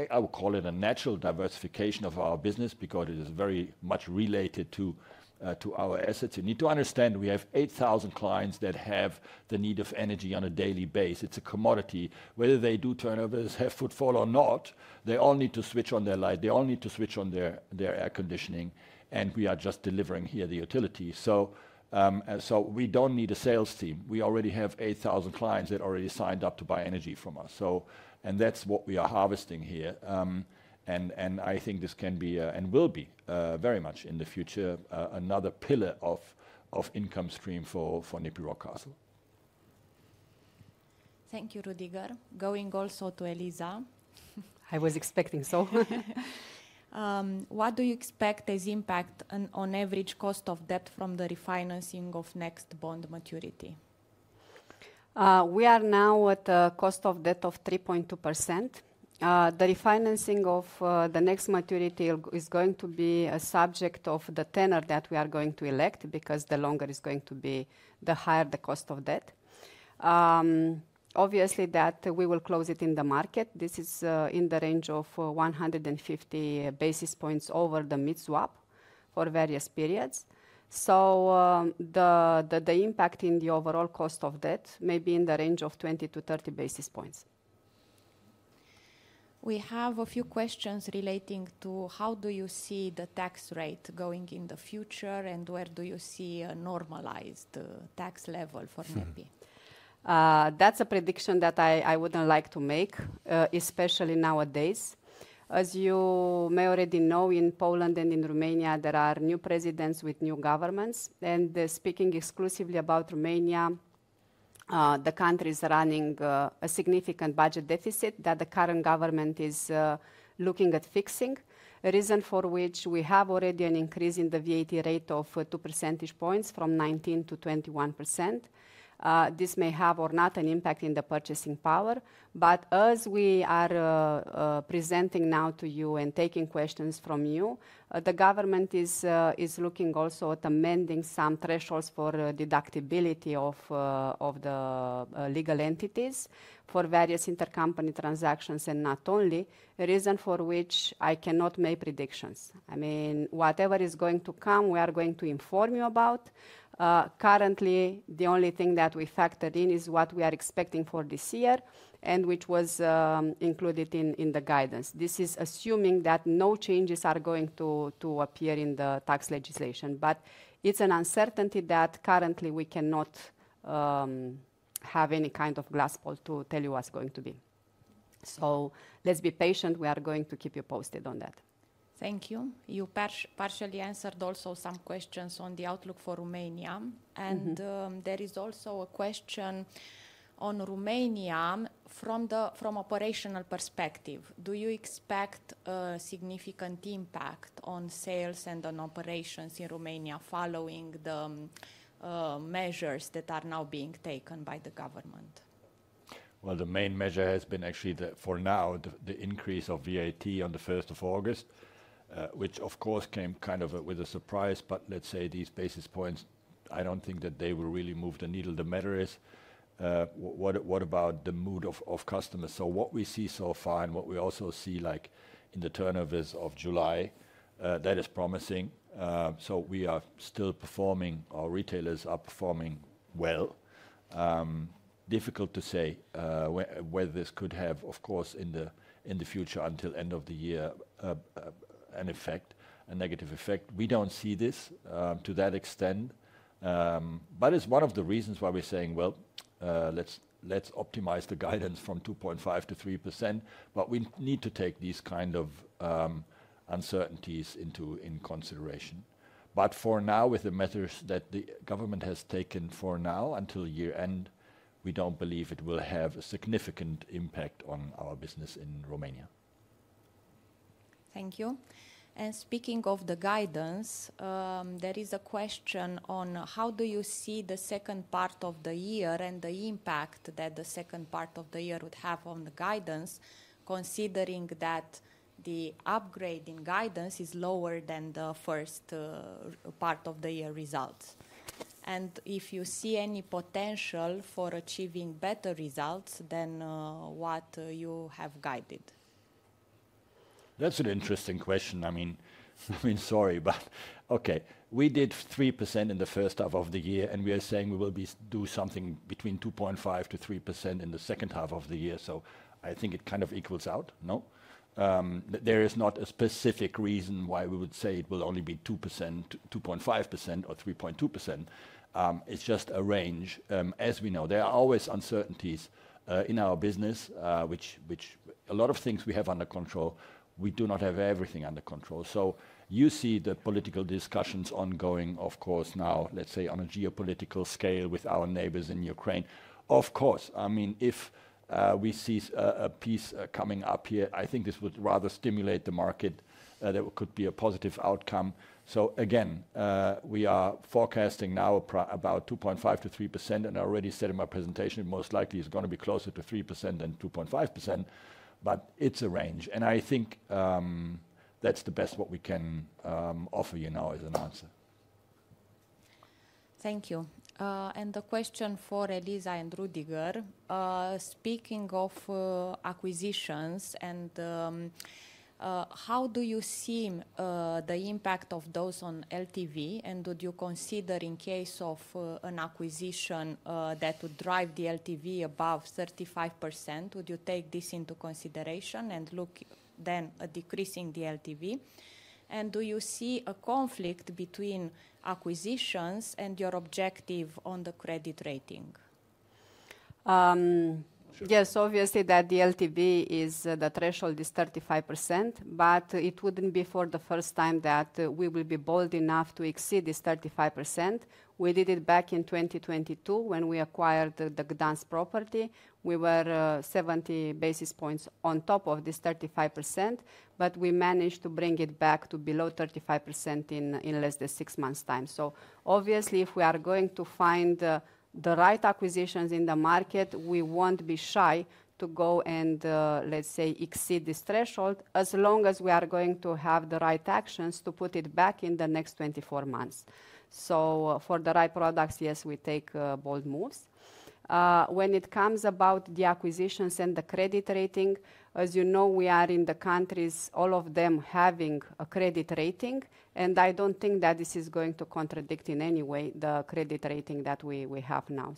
I would call it a natural diversification of our business. Because it is very much related to our assets. You need to understand we have 8,000 clients that have the need of energy on a daily basis. It's a commodity whether they do turnovers, have footfall or not. They all need to switch on their light, they all need to switch on their air conditioning, and we are just delivering here the utility. We don't need a sales team. We already have 8,000 clients that already signed up to buy energy from us and that's what we are harvesting here. I think this can be and will be very much in the future another pillar of income stream for NEPI Rockcastle. Thank you, Rüdiger. Going also to Eliza, I was expecting, so what do you expect as impact on average cost of debt from the refinancing of next bond maturity? We are now at a cost of debt of 3.2%. The refinancing of the next maturity is going to be a subject of the tenor that we are going to elect because the longer is going to be the higher the cost of debt. Obviously, we will close it in the market. This is in the range of 150 basis points over the mid swap for various periods. The impact in the overall cost of debt may be in the range of 20-30 basis points. We have a few questions relating to how do you see the tax rate going in the future, and where do you see a normalized tax level for NEPI Rockcastle? That's a prediction that I wouldn't like to make, especially nowadays. As you may already know, in Poland and in Romania there are new presidents with new governments. Speaking exclusively about Romania, the country is running a significant budget deficit that the current government is looking at fixing, a reason for which we have already an increase in the VAT rate of 2 percentage points from 19% to 21%. This may have or not an impact in the purchasing power, but as we are presenting now to you and taking questions from you, the government is looking also at amending some thresholds for deductibility of the legal entities for various intercompany transactions and not only, a reason for which I cannot make predictions. I mean whatever is going to come, we are going to inform you about. Currently, the only thing that we factored in is what we are expecting for this year and included in the guidance. This is assuming that no changes are going to appear in the tax legislation. It's an uncertainty that currently we cannot have any kind of glass ball to tell you what's going to be. Let's be patient, we are going to keep you posted on that. Thank you. You partially answered also some questions on the outlook for Romania. There is also a question on Romania from an operational perspective. Do you expect a significant impact on sales and on operations in Romania following the measures that are now being taken by the government? The main measure has been actually for now, the increase of VAT on the 1st of August, which of course came kind of with a surprise. Let's say these basis points, I don't think that they will really move the needle. The matter is, what about the mood of customers? What we see so far and what we also see in the turnovers of July, that is promising. We are still performing, our retailers are performing well. Difficult to say whether this could have, of course, in the future, until end of the year, an effect, a negative effect. We don't see this to that extent, but it's one of the reasons why we're saying, let's optimize the guidance from 2.5% to 3%. We need to take these kind of uncertainties into consideration. For now, with the matters that the government has taken for now until year end, we don't believe it will have a significant impact on our business in Romania. Thank you. Speaking of the guidance, there is a question on how you see the second part of the year and the impact that the second part of the year would have on the guidance, considering that the upgrading guidance is lower than the first part of the year results. If you see any potential for achieving better results than what you have guided. That's an interesting question. We did 3% in the first half of the year and we are saying we will do something between 2.5%- 3% in the second half of the year. I think it kind of equals out. There is not a specific reason why we would say it will only be 2.5% or 3.2%. It's just a range. As we know, there are always uncertainties in our business, which a lot of things we have under control. We do not have everything under control. You see the political discussions ongoing, of course, now on a geopolitical scale with our neighbors in Ukraine. If we see a peace coming up here, I think this would rather stimulate the market. That could be a positive outcome. We are forecasting now about 2.5%-3%. I already said in my presentation, most likely it's going to be closer to 3% than 2.5%. It's a range and I think that's the best we can offer you now as an answer. Thank you. The question for Eliza and Rüdiger, speaking of acquisitions, how do you see the impact of those on LTV, and do you consider in case of an acquisition that would drive the LTV above 35%, would you take this into consideration and look at decreasing the LTV, and do you see a conflict between acquisitions and your objective on the credit rating? Yes, obviously that the LTV is. The threshold is 35%. It wouldn't be for the first time that we will be bold enough to exceed this 35%. We did it back in 2022 when we acquired the Gdansk property. We were 70 basis points on top of this 35%, but we managed to bring it back to below 35% in less than six months time. If we are going to find the right acquisitions in the market, we won't be shy to go and, let's say, exceed this threshold as long as we are going to have the right actions to put it back in the next 24 months. For the right products, you make bold moves when it comes about the acquisitions and the credit rating. As you know, we are in the countries, all of them having a credit rating, and I don't think that this is going to contradict in any way the credit rating that we have now.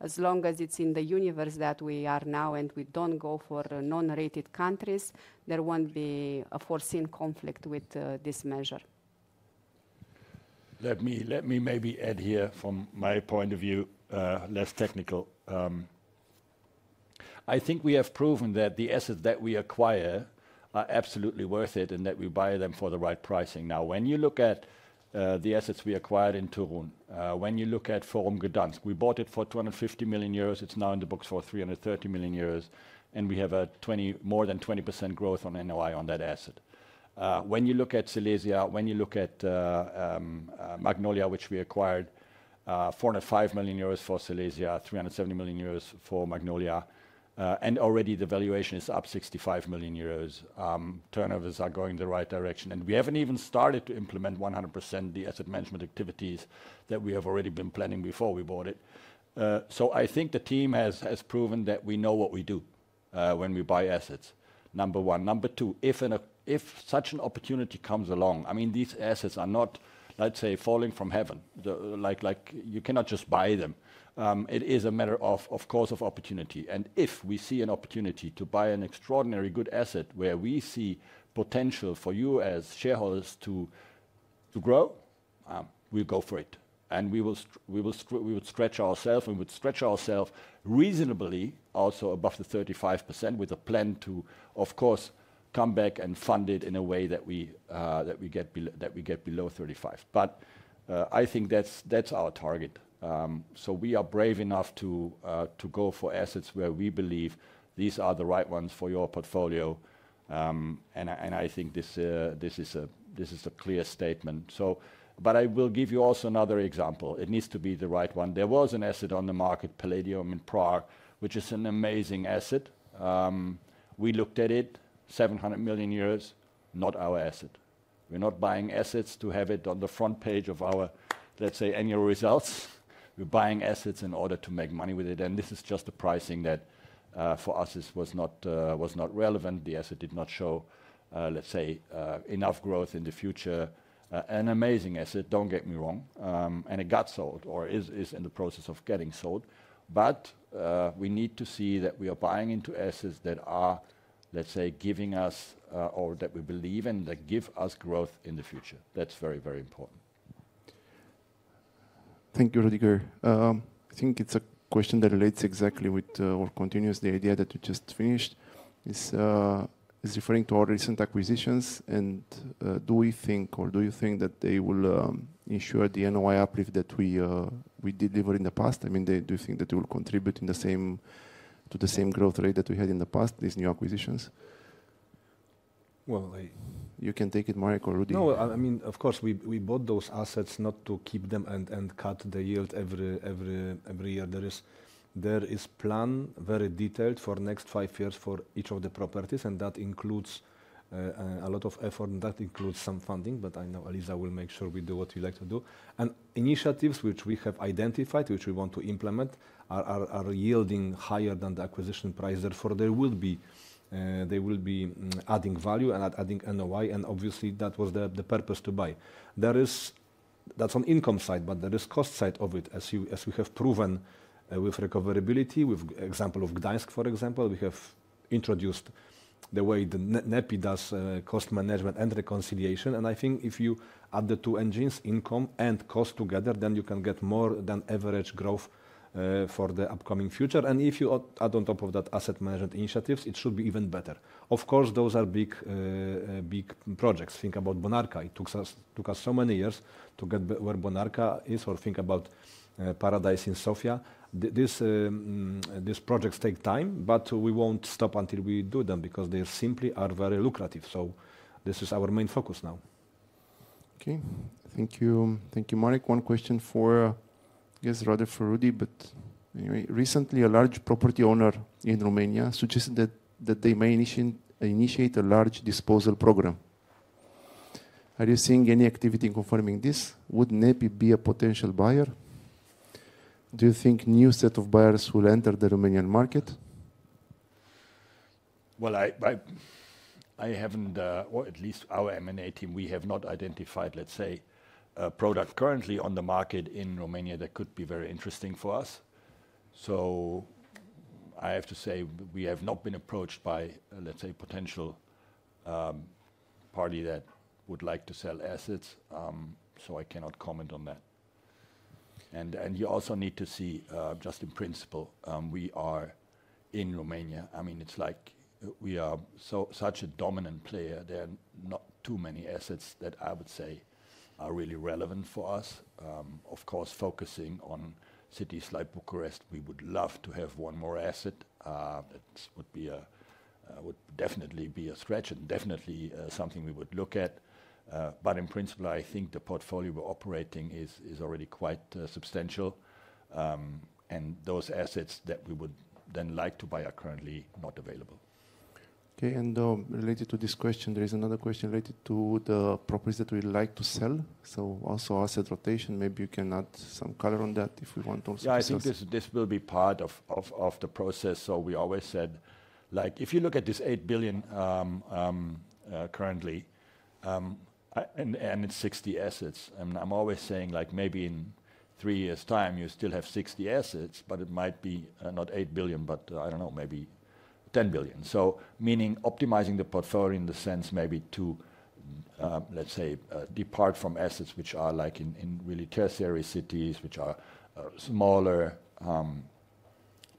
As long as it's in the universe that we are now and we don't go for non-rated countries, there won't be a foreseen conflict with this measure. Let me maybe add here from my point of view, less technical. I think we have proven that the assets that we acquire are absolutely worth it and that we buy them for the right pricing. Now, when you look at the assets we acquired in Toruń, when you look at Forum Gdansk, we bought it for 250 million euros. It's now in the books for 330 million euros and we have more than 20% growth on NOI on that asset. When you look at Silesia, when you look at Magnolia Park, which we acquired, 405 million euros for Silesia, 370 million euros for Magnolia Park, and already the valuation is up 65 million euros. Turnovers are going the right direction and we haven't even started to implement 100% the asset management activities that we have already been planning before we bought it. I think the team has proven that we know what we do when we buy assets. Number one. Number two, if such an opportunity comes along, I mean, these assets are not, let's say, falling from heaven. You cannot just buy them. It is a matter, of course, of opportunity. If we see an opportunity to buy an extraordinarily good asset where we see potential for you as shareholders to grow, we go for it. We would stretch ourselves, and would stretch ourselves reasonably, also above the 35% with a plan to, of course, come back and fund it in a way that we get below 35%. I think that's our target. We are brave enough to go for assets where we believe these are the right ones for your portfolio. I think this is a clear statement. I will give you also another example. It needs to be the right one. There was an asset on the market, Palladium, in Prague, which is an amazing asset. We looked at it, 700 million euros. Not our asset. We're not buying assets to have it on the front page of our, let's say, annual results. We're buying assets in order to make money with it. This is just the pricing that for us was not relevant. The asset did not show, let's say, enough growth in the future. An amazing asset, don't get me wrong, and it got sold or is in the process of getting sold. We need to see that we are buying into assets that are, let's say, giving us or that we believe in, that give us growth in the future. That's very, very important. Thank you, Rüdiger. I think it's a question that relates exactly with or continues the idea that you just finished. It is referring to our recent acquisitions. Do we think, or do you think, that they will ensure the NOI uplift that we delivered in the past? I mean, do you think that it will contribute to the same growth rate that we had in the past, these new acquisitions? You can take it, Marek or Rudy. No, I mean, of course we bought those assets not to keep them and cut the yield every year. There is a plan, very detailed, for the next five years for each of the properties. That includes a lot of effort and that includes some funding. I know Eliza will make sure we do what you like to do. Initiatives which we have identified, which we want to implement, are yielding higher than the acquisition price. Therefore, they will be adding value and adding NOI. Obviously, that was the purpose to buy. That's on the income side, but there is a cost side of it, as we have proven with recoverability, with the example of Gdansk. For example, we have introduced the way that NEPI Rockcastle does cost management and reconciliation. I think if you add the two engines, income and cost, together, then you can get more than average growth for the upcoming future. If you add on top of that asset management initiatives, it should be even better. Of course, those are big projects. Think about Bonarka. It took us so many years to get where Bonarka is. Think about Paradise in Sofia. These projects take time, but we won't stop until we do them because they simply are very lucrative. This is our main focus now. Okay, thank you. Thank you, Marek. One question for, I guess, rather for Rüdiger. But anyway, recently a large property owner in Romania suggested that they may initiate a large disposal program. Are you seeing any activity in confirming this? Would NEPI be a potential buyer? Do you think new set of buyers will enter the Romanian market? I haven't. At least our M&A team, we have not identified, let's say, a product currently on the market in Romania that could be very interesting for us. I have to say we have not been approached by, let's say, a potential party that would like to sell assets. I cannot comment on that. You also need to see, just in principle, we are in Romania. I mean, it's like we are such a dominant player. There are not too many assets that I would say are really relevant for us. Of course, focusing on cities like Bucharest, we would love to have one more asset. That would definitely be a stretch and definitely something we would look at. In principle, I think the portfolio we're operating is already quite substantial and those assets that we would then like to buy are currently not available. Okay. Related to this question, there is another question related to the properties that we like to sell. Also, asset rotation, maybe you can add some color on that if we want to. Yeah, I think this will be part of the process. We always said, if you look at this 8 billion currently and it's 60 assets, and I'm always saying, maybe in three years' time you still have 60 assets, but it might be not 8 billion, but I don't know, maybe 10 billion. Meaning optimizing the portfolio in the sense maybe to, let's say, depart from assets which are in really tertiary cities, which are smaller,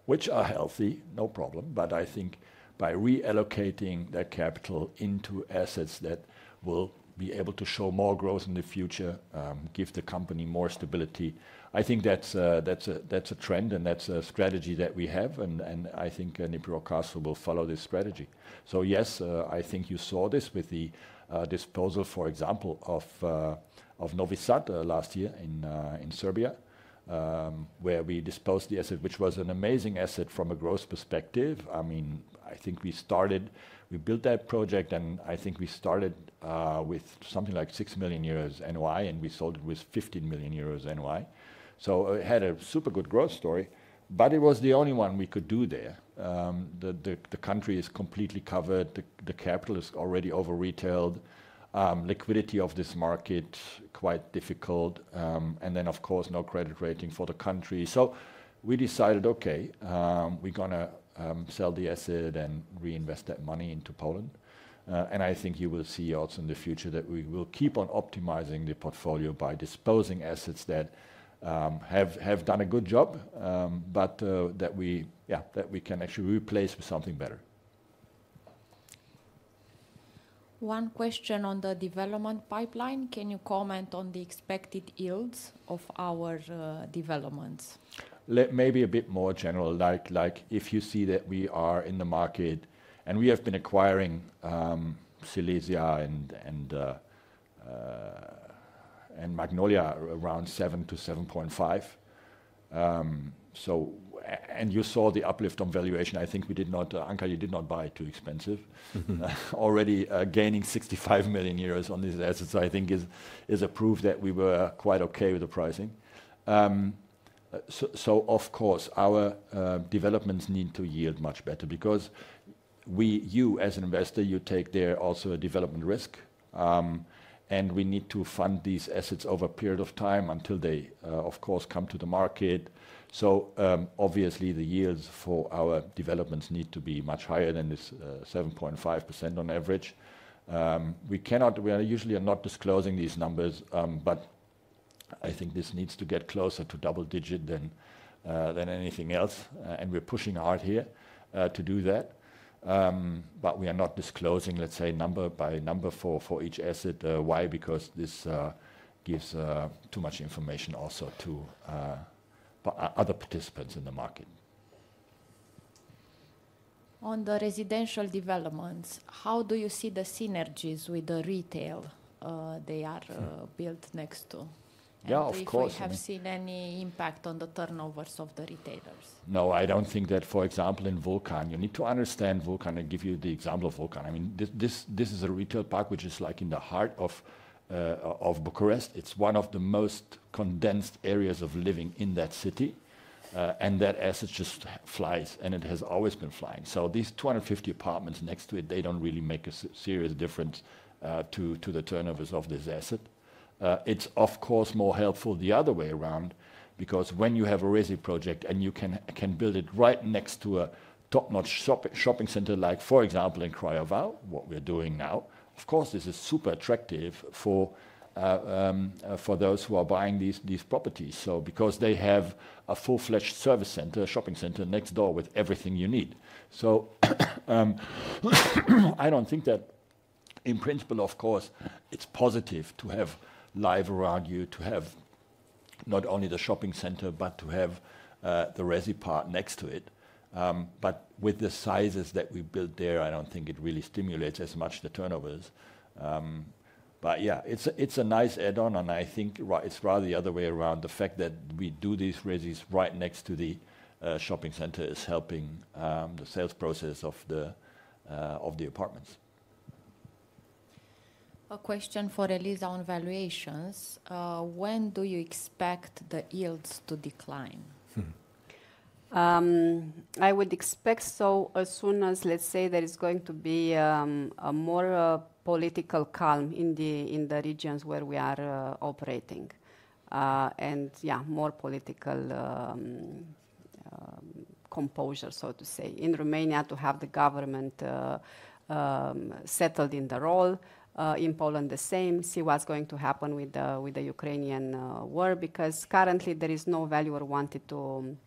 which are healthy, no problem. I think by reallocating that capital into assets that will be able to show more growth in the future, give the company more stability. I think that's a trend and that's a strategy that we have. I think any broadcaster will follow this strategy. Yes, you saw this with the disposal, for example, of Novi Sad last year in Serbia, where we disposed the asset, which was an amazing asset from a growth perspective. I think we built that project and we started with something like 6 million euros and we sold it with 15 million euros. So it had a super good growth story, but it was the only one we could do there. The country is completely covered, the capital is already over retailed. Liquidity of this market is quite difficult and then of course no credit rating for the country. We decided, okay, we're going to sell the asset and reinvest that money into Poland. I think you will see also in the future that we will keep on optimizing the portfolio by disposing assets that have done a good job, but that we can actually replace with something better. One question on the development pipeline, can you comment on the expected yields of our developments? Maybe a bit more general, like if you see that we are in the market and we have been acquiring Silesia and Magnolia Park around 7%-7.5%. You saw the uplift on valuation. I think we did not. Anca, you did not buy too expensive. Already gaining 65 million euros on these assets, I think is a proof that we were quite okay with the pricing. Of course, our developments need to yield much better because you as an investor, you take there also a development risk. We need to fund these assets over a period of time until they of course come to the market. Obviously, the yields for our developments need to be much higher than this 7.5% on average. We are usually not disclosing these numbers, but I think this needs to get closer to double digit than anything else and we're pushing hard here to do that. We are not disclosing, let's say, number by number for each asset. Why? Because this gives too much information also to other participants in the market. On the residential developments, how do you see the synergies with the retail they are built next to? Have you seen any impact on the turnovers of the retail retailers? No, I don't think that. For example, in Vulcan, you need to understand Vulcan and I give you the example of Vulcan. I mean, this is a retail park which is like in the heart of Bucharest. It's one of the most condensed areas of living in that city, and that asset just flies and it has always been flying. These 250 apartments next to it don't really make a serious difference to the turnovers of this asset. It's of course more helpful the other way around because when you have a residential project and you can build it right next to a top notch shopping center like, for example, in Craiova, what we're doing now, this is super attractive for those who are buying these properties because they have a full fledged service center shopping center next door with everything you need. I don't think that in principle, of course, it's positive to have, or argue to have, not only the shopping center but to have the residential part next to it. With the sizes that we built there, I don't think it really stimulates as much the turnovers. It's a nice add on and I think it's rather the other way around. The fact that we do these residential projects right next to the shopping center is helping the sales process of the apartments. A question for Eliza on valuations. When do you expect the yields to decrease, decline? I would expect. As soon as, let's say, there is going to be more political calm in the regions where we are operating and, yeah, more political composure, so to say, in Romania to have the government settled in the role. In Poland, the same. See what's going to happen with the Ukrainian war because currently there is no value or wanting to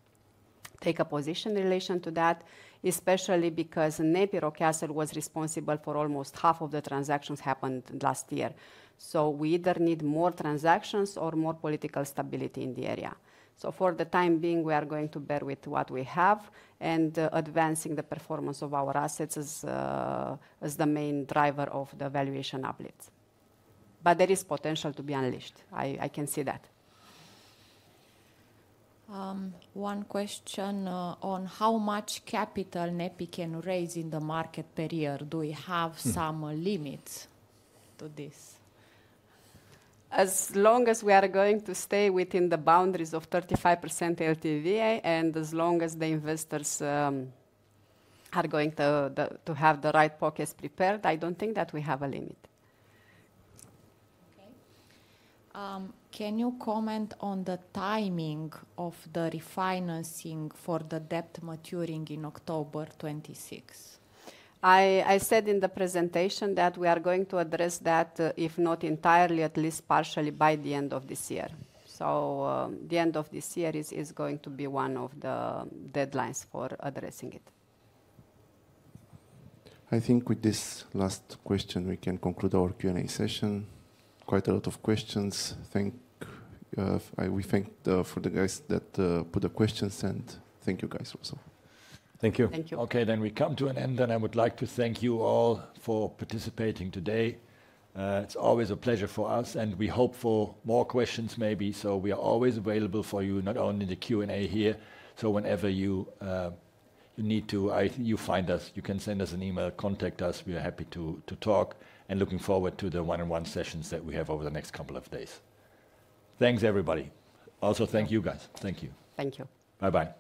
take a position in relation to that, especially because NEPI Rockcastle was responsible for almost half of the transactions that happened last year. We either need more transactions or more political stability in the area. For the time being, we are going to bear with what we have and advancing the performance of our assets as the main driver of the valuation uplifts. There is potential to be unleashed, I think you can see that. One question on how much capital NEPI Rockcastle can raise in the market per year. Do we have some limits to this? As long as we are going to stay within the boundaries of 35% LTV and as long as the investors are going to have the right pockets prepared, I don't think that we have a limit. Okay. Can you comment on the timing of the refinancing for the debt maturing in October 26? I said in the presentation that we are going to address that, if not entirely, at least partially by the end of this year. The end of this year is going to be one of the deadlines for addressing it. I think with this last question we can conclude our Q and A session. Quite a lot of questions. We thank the guys that put the questions, and thank you guys also. Thank you. Thank you. Okay, we come to an end and I would like to thank you all for participating today. It's always a pleasure for us and we hope for more questions maybe. We are always available for you, not only in the Q and A here. Whenever you find us, you can send us an email, contact us. We are happy to talk and looking forward to the one on one sessions that we have over the next couple of days. Thanks everybody. Also, thank you guys. Thank you. Thank you. Bye bye.